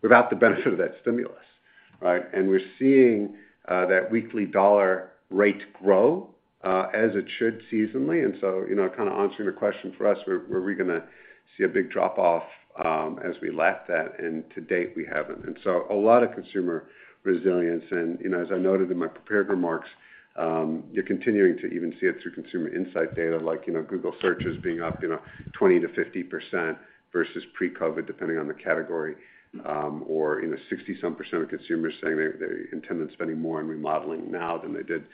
without the benefit of that stimulus. Right? We're seeing that weekly dollar rate grow as it should seasonally. You know, kind of answering the question for us, were we gonna see a big drop off as we lap that? To date, we haven't. A lot of consumer resilience. You know, as I noted in my prepared remarks, you're continuing to even see it through consumer insight data, like, you know, Google searches being up, you know, 20% to 50% versus pre-COVID, depending on the category, or, you know, 60 some percent of consumers saying they intend on spending more on remodeling now than they did,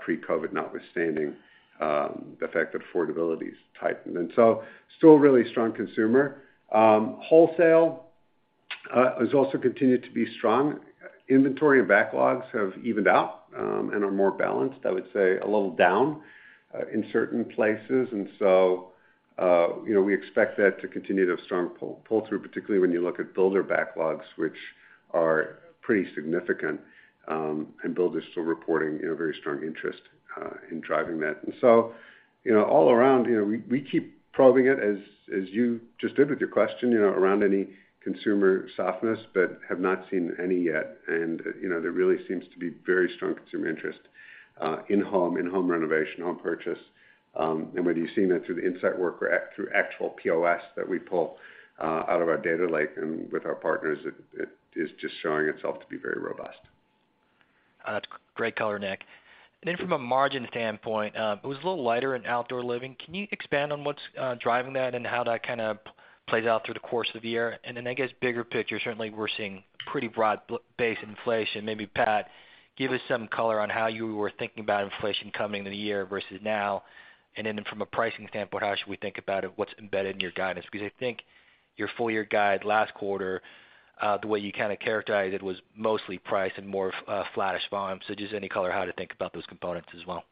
pre-COVID, notwithstanding the fact that affordability is tightened. Still really strong consumer. Wholesale has also continued to be strong. Inventory and backlogs have evened out, and are more balanced, I would say a little down in certain places. We expect that to continue to have strong pull through, particularly when you look at builder backlogs, which are pretty significant, and builders still reporting, you know, very strong interest in driving that. You know, all around, you know, we keep probing it as you just did with your question, you know, around any consumer softness, but have not seen any yet. You know, there really seems to be very strong consumer interest in home renovation, home purchase. Whether you've seen that through the insight work or through actual POS that we pull out of our data lake and with our partners, it is just showing itself to be very robust. That's great color, Nick. Then from a margin standpoint, it was a little lighter in outdoor living. Can you expand on what's driving that and how that kind of plays out through the course of the year? Then I guess bigger picture, certainly we're seeing pretty broad base inflation. Maybe Pat, give us some color on how you were thinking about inflation coming into the year versus now. Then from a pricing standpoint, how should we think about it? What's embedded in your guidance? Because I think your full year guide last quarter, the way you kind of characterized it was mostly price and more flattish volume. Just any color how to think about those components as well.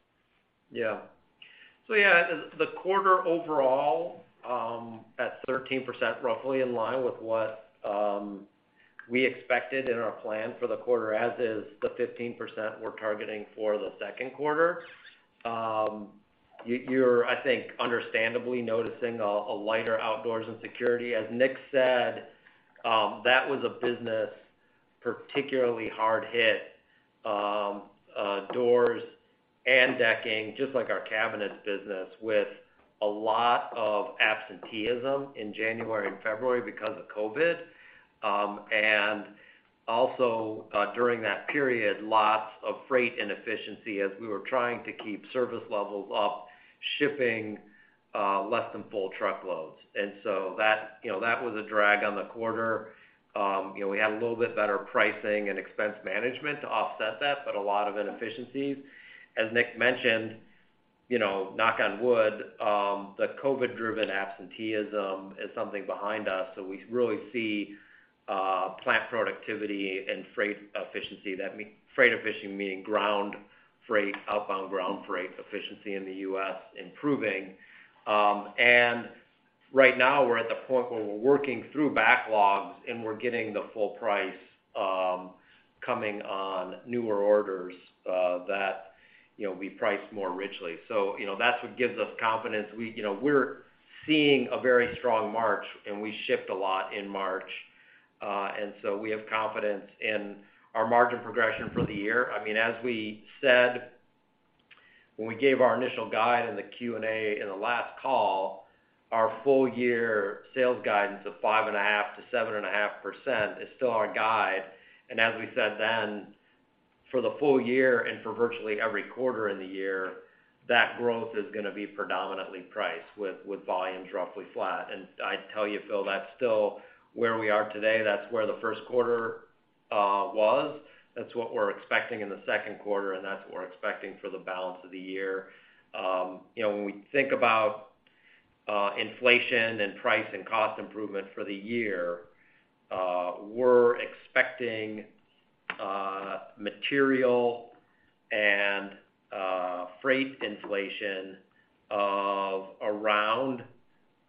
The quarter overall at 13% roughly in line with what we expected in our plan for the quarter, as is the 15% we're targeting for the Q2. You're, I think, understandably noticing a lighter Outdoors and Security. As Nick said, that was a business particularly hard hit, doors and decking, just like our Cabinets business, with a lot of absenteeism in January and February because of COVID. And also during that period, lots of freight inefficiency as we were trying to keep service levels up, shipping less than full truckloads. That, you know, was a drag on the quarter. You know, we had a little bit better pricing and expense management to offset that, but a lot of inefficiencies. As Nick mentioned, you know, knock on wood, the COVID-driven absenteeism is something behind us. We really see plant productivity and freight efficiency. That freight efficiency, meaning ground freight, outbound ground freight efficiency in the U.S. improving. Right now, we're at the point where we're working through backlogs, and we're getting the full price coming on newer orders, that, you know, we price more richly. You know, that's what gives us confidence. You know, we're seeing a very strong March, and we shipped a lot in March. We have confidence in our margin progression for the year. I mean, as we said when we gave our initial guide in the Q&A in the last call, our full year sales guidance of 5.5% to 7.5% is still our guide. As we said then, for the full year and for virtually every quarter in the year, that growth is gonna be predominantly priced with volume roughly flat. I'd tell you, Phil, that's still where we are today. That's where the Q1 was. That's what we're expecting in the Q2, and that's what we're expecting for the balance of the year. You know, when we think about inflation and price, and cost improvement for the year, we're expecting material and freight inflation of around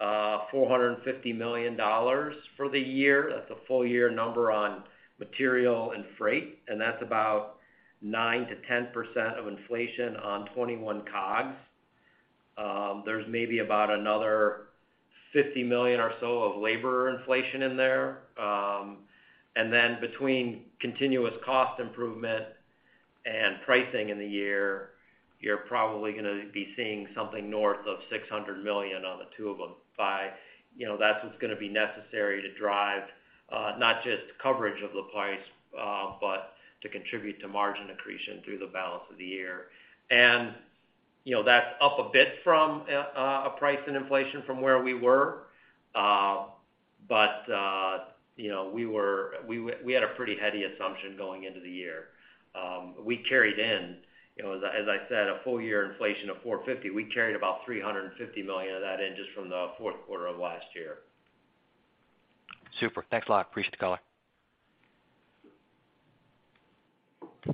$450 million for the year. That's a full year number on material and freight, and that's about 9% to 10% of inflation on 2021 COGS. There's maybe about another $50 million or so of labor inflation in there. And then between continuous cost improvement and pricing in the year, you're probably gonna be seeing something north of $600 million on the two of them by. You know, that's what's gonna be necessary to drive not just coverage of the pricing, but to contribute to margin accretion through the balance of the year. You know, that's up a bit from pricing and inflation from where we were. You know, we had a pretty heady assumption going into the year. We carried in, you know, as I said, a full year inflation of $450. We carried about $350 million of that in just from the Q4 of last year. Super. Thanks a lot. Appreciate the color.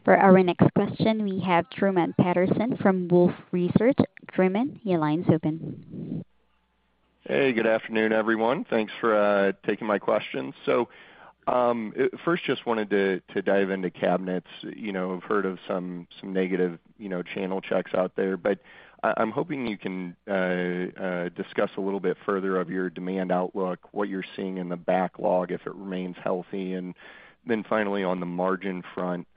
For our next question, we have Truman Patterson from Wolfe Research. Truman, your line's open. Hey, good afternoon, everyone. Thanks for taking my question. First, just wanted to dive into cabinets. You know, I've heard of some negative, you know, channel checks out there, but I'm hoping you can discuss a little bit further of your demand outlook, what you're seeing in the backlog, if it remains healthy. Then finally, on the margin front,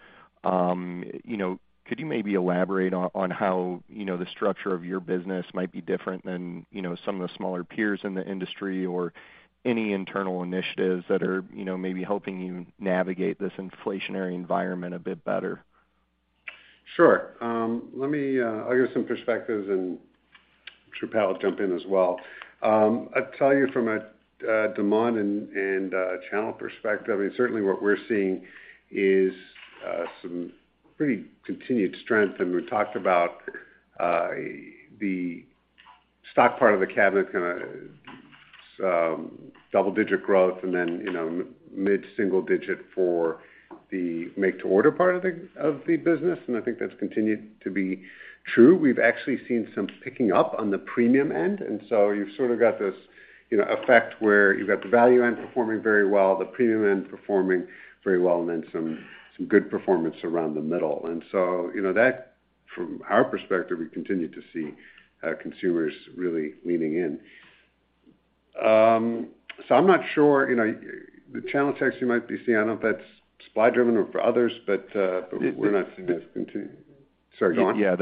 you know, could you maybe elaborate on how, you know, the structure of your business might be different than, you know, some of the smaller peers in the industry or any internal initiatives that are, you know, maybe helping you navigate this inflationary environment a bit better? Sure. Let me, I'll give some perspectives, and I'm sure Pat Hallinan will jump in as well. I'd tell you from a demand and channel perspective, I mean, certainly what we're seeing is some pretty continued strength. We talked about the stock part of the cabinet kind of double-digit growth and then, you know, mid-single digit for the make to order part of the business, and I think that's continued to be true. We've actually seen some picking up on the premium end. You've sort of got this, you know, effect where you've got the value end performing very well, the premium end performing very well, and then some good performance around the middle. You know, that from our perspective, we continue to see consumers really leaning in. I'm not sure, you know, the channel checks you might be seeing. I don't know if that's supply driven or for others, but we're not seeing it continue. Sorry, go on. Yeah.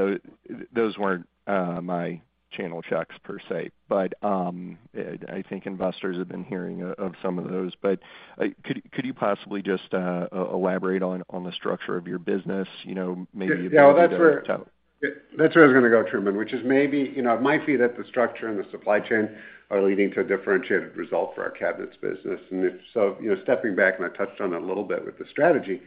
Those weren't my channel checks per se, but I think investors have been hearing of some of those. Could you possibly just elaborate on the structure of your business, you know, maybe a bit better to- Yeah. That's where I was gonna go, Truman, which is maybe, you know, it might be that the structure and the supply chain are leading to a differentiated result for our cabinets business. If so, you know, stepping back, and I touched on that a little bit with the strategy,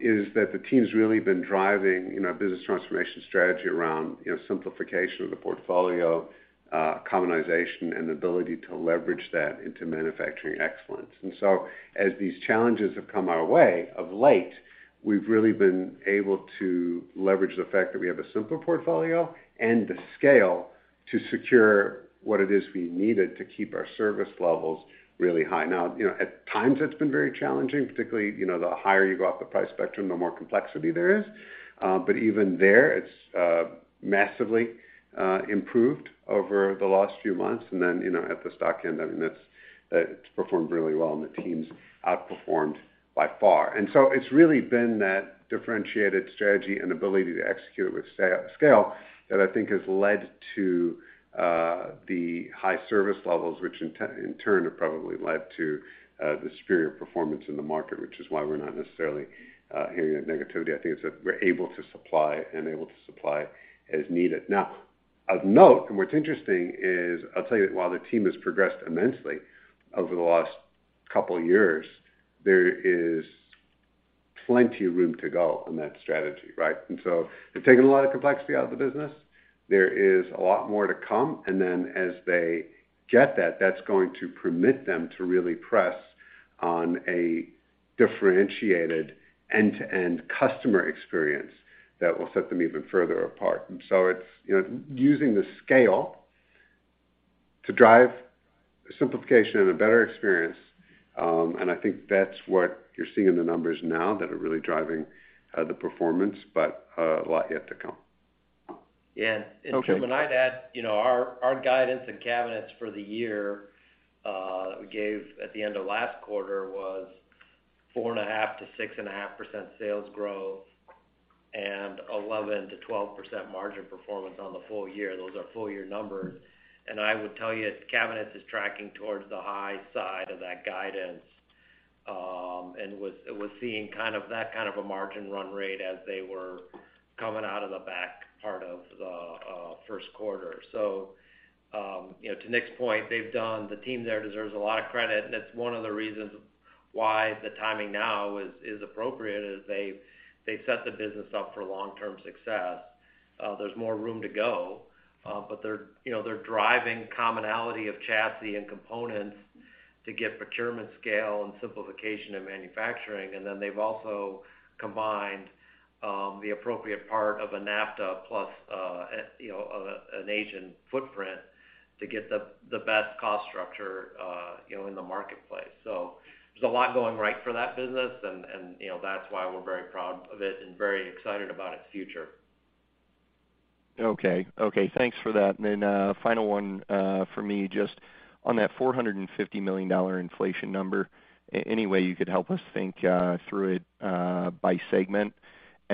is that the team's really been driving, you know, business transformation strategy around, you know, simplification of the portfolio, commonization, and the ability to leverage that into manufacturing excellence. As these challenges have come our way of late, we've really been able to leverage the fact that we have a simpler portfolio and the scale to secure what it is we needed to keep our service levels really high. Now, you know, at times it's been very challenging, particularly, you know, the higher you go up the price spectrum, the more complexity there is. But even there it's massively improved over the last few months. Then, you know, at the stock end, I mean, that's, it's performed really well, and the team's outperformed by far. So it's really been that differentiated strategy and ability to execute with scale that I think has led to the high service levels, which in turn have probably led to the superior performance in the market, which is why we're not necessarily hearing that negativity. I think it's that we're able to supply and able to supply as needed. Now, of note, and what's interesting is, I'll tell you, while the team has progressed immensely over the last couple years, there is plenty of room to go on that strategy, right? They've taken a lot of complexity out of the business. There is a lot more to come, and then as they get that's going to permit them to really press on a differentiated end-to-end customer experience that will set them even further apart. It's, you know, using the scale to drive simplification and a better experience, and I think that's what you're seeing in the numbers now that are really driving the performance, but a lot yet to come. Yeah. Okay. Truman, I'd add, you know, our guidance in Cabinets for the year that we gave at the end of last quarter was 4.5% to 6.5% sales growth and 11% to 12% margin performance on the full year. Those are full year numbers. I would tell you, Cabinets is tracking towards the high side of that guidance, and was seeing kind of that kind of a margin run rate as they were coming out of the back part of the Q1. You know, to Nick's point, the team there deserves a lot of credit, and it's one of the reasons why the timing now is appropriate, they've set the business up for long-term success. There's more room to go, but they're, you know, driving commonality of chassis and components to get procurement scale and simplification in manufacturing. Then they've also combined the appropriate part of a NAFTA plus, you know, an Asian footprint to get the best cost structure, you know, in the marketplace. There's a lot going right for that business and, you know, that's why we're very proud of it and very excited about its future. Okay, thanks for that. Final one from me, just on that $450 million inflation number, any way you could help us think through it by segment?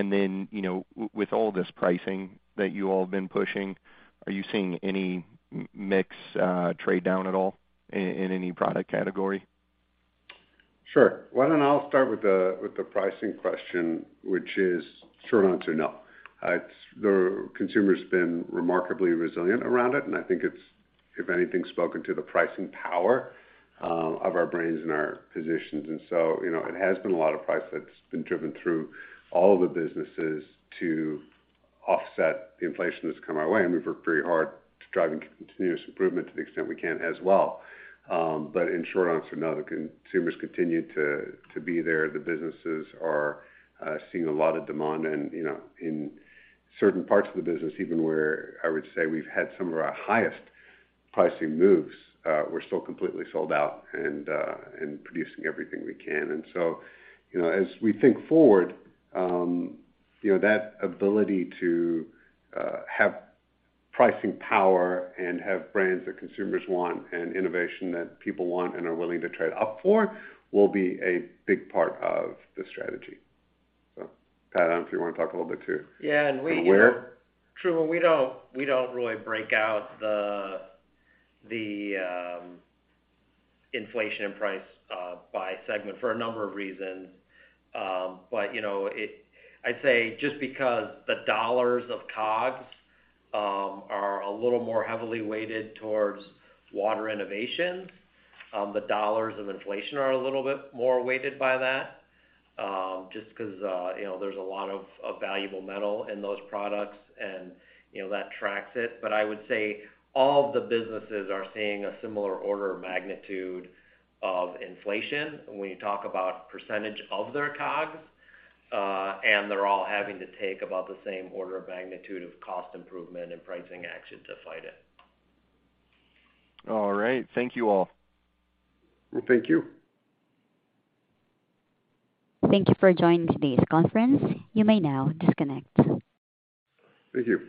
You know, with all this pricing that you all have been pushing, are you seeing any mix trade down at all in any product category? Sure. Why don't I start with the pricing question, which is short answer, no. It's the consumer's been remarkably resilient around it, and I think it's, if anything, spoken to the pricing power of our brands and our positions. You know, it has been a lot of price that's been driven through all the businesses to offset the inflation that's come our way, and we've worked very hard to driving continuous improvement to the extent we can as well. In short answer, no. The consumers continue to be there. The businesses are seeing a lot of demand and, you know, in certain parts of the business even where I would say we've had some of our highest pricing moves, we're still completely sold out and producing everything we can. you know, as we think forward, you know, that ability to have pricing power and have brands that consumers want and innovation that people want and are willing to trade up for will be a big part of the strategy. So Pat, I don't know if you wanna talk a little bit too. Yeah. And where- Truman, we don't really break out the inflation price by segment for a number of reasons. You know, it. I'd say just because the dollars of COGS are a little more heavily weighted towards Water Innovations, the dollars of inflation are a little bit more weighted by that, just because you know, there's a lot of valuable metal in those products and, you know, that tracks it. I would say all the businesses are seeing a similar order of magnitude of inflation when you talk about percentage of their COGS, and they're all having to take about the same order of magnitude of cost improvement and pricing action to fight it. All right. Thank you all. Well, thank you. Thank you for joining today's conference. You may now disconnect. Thank you.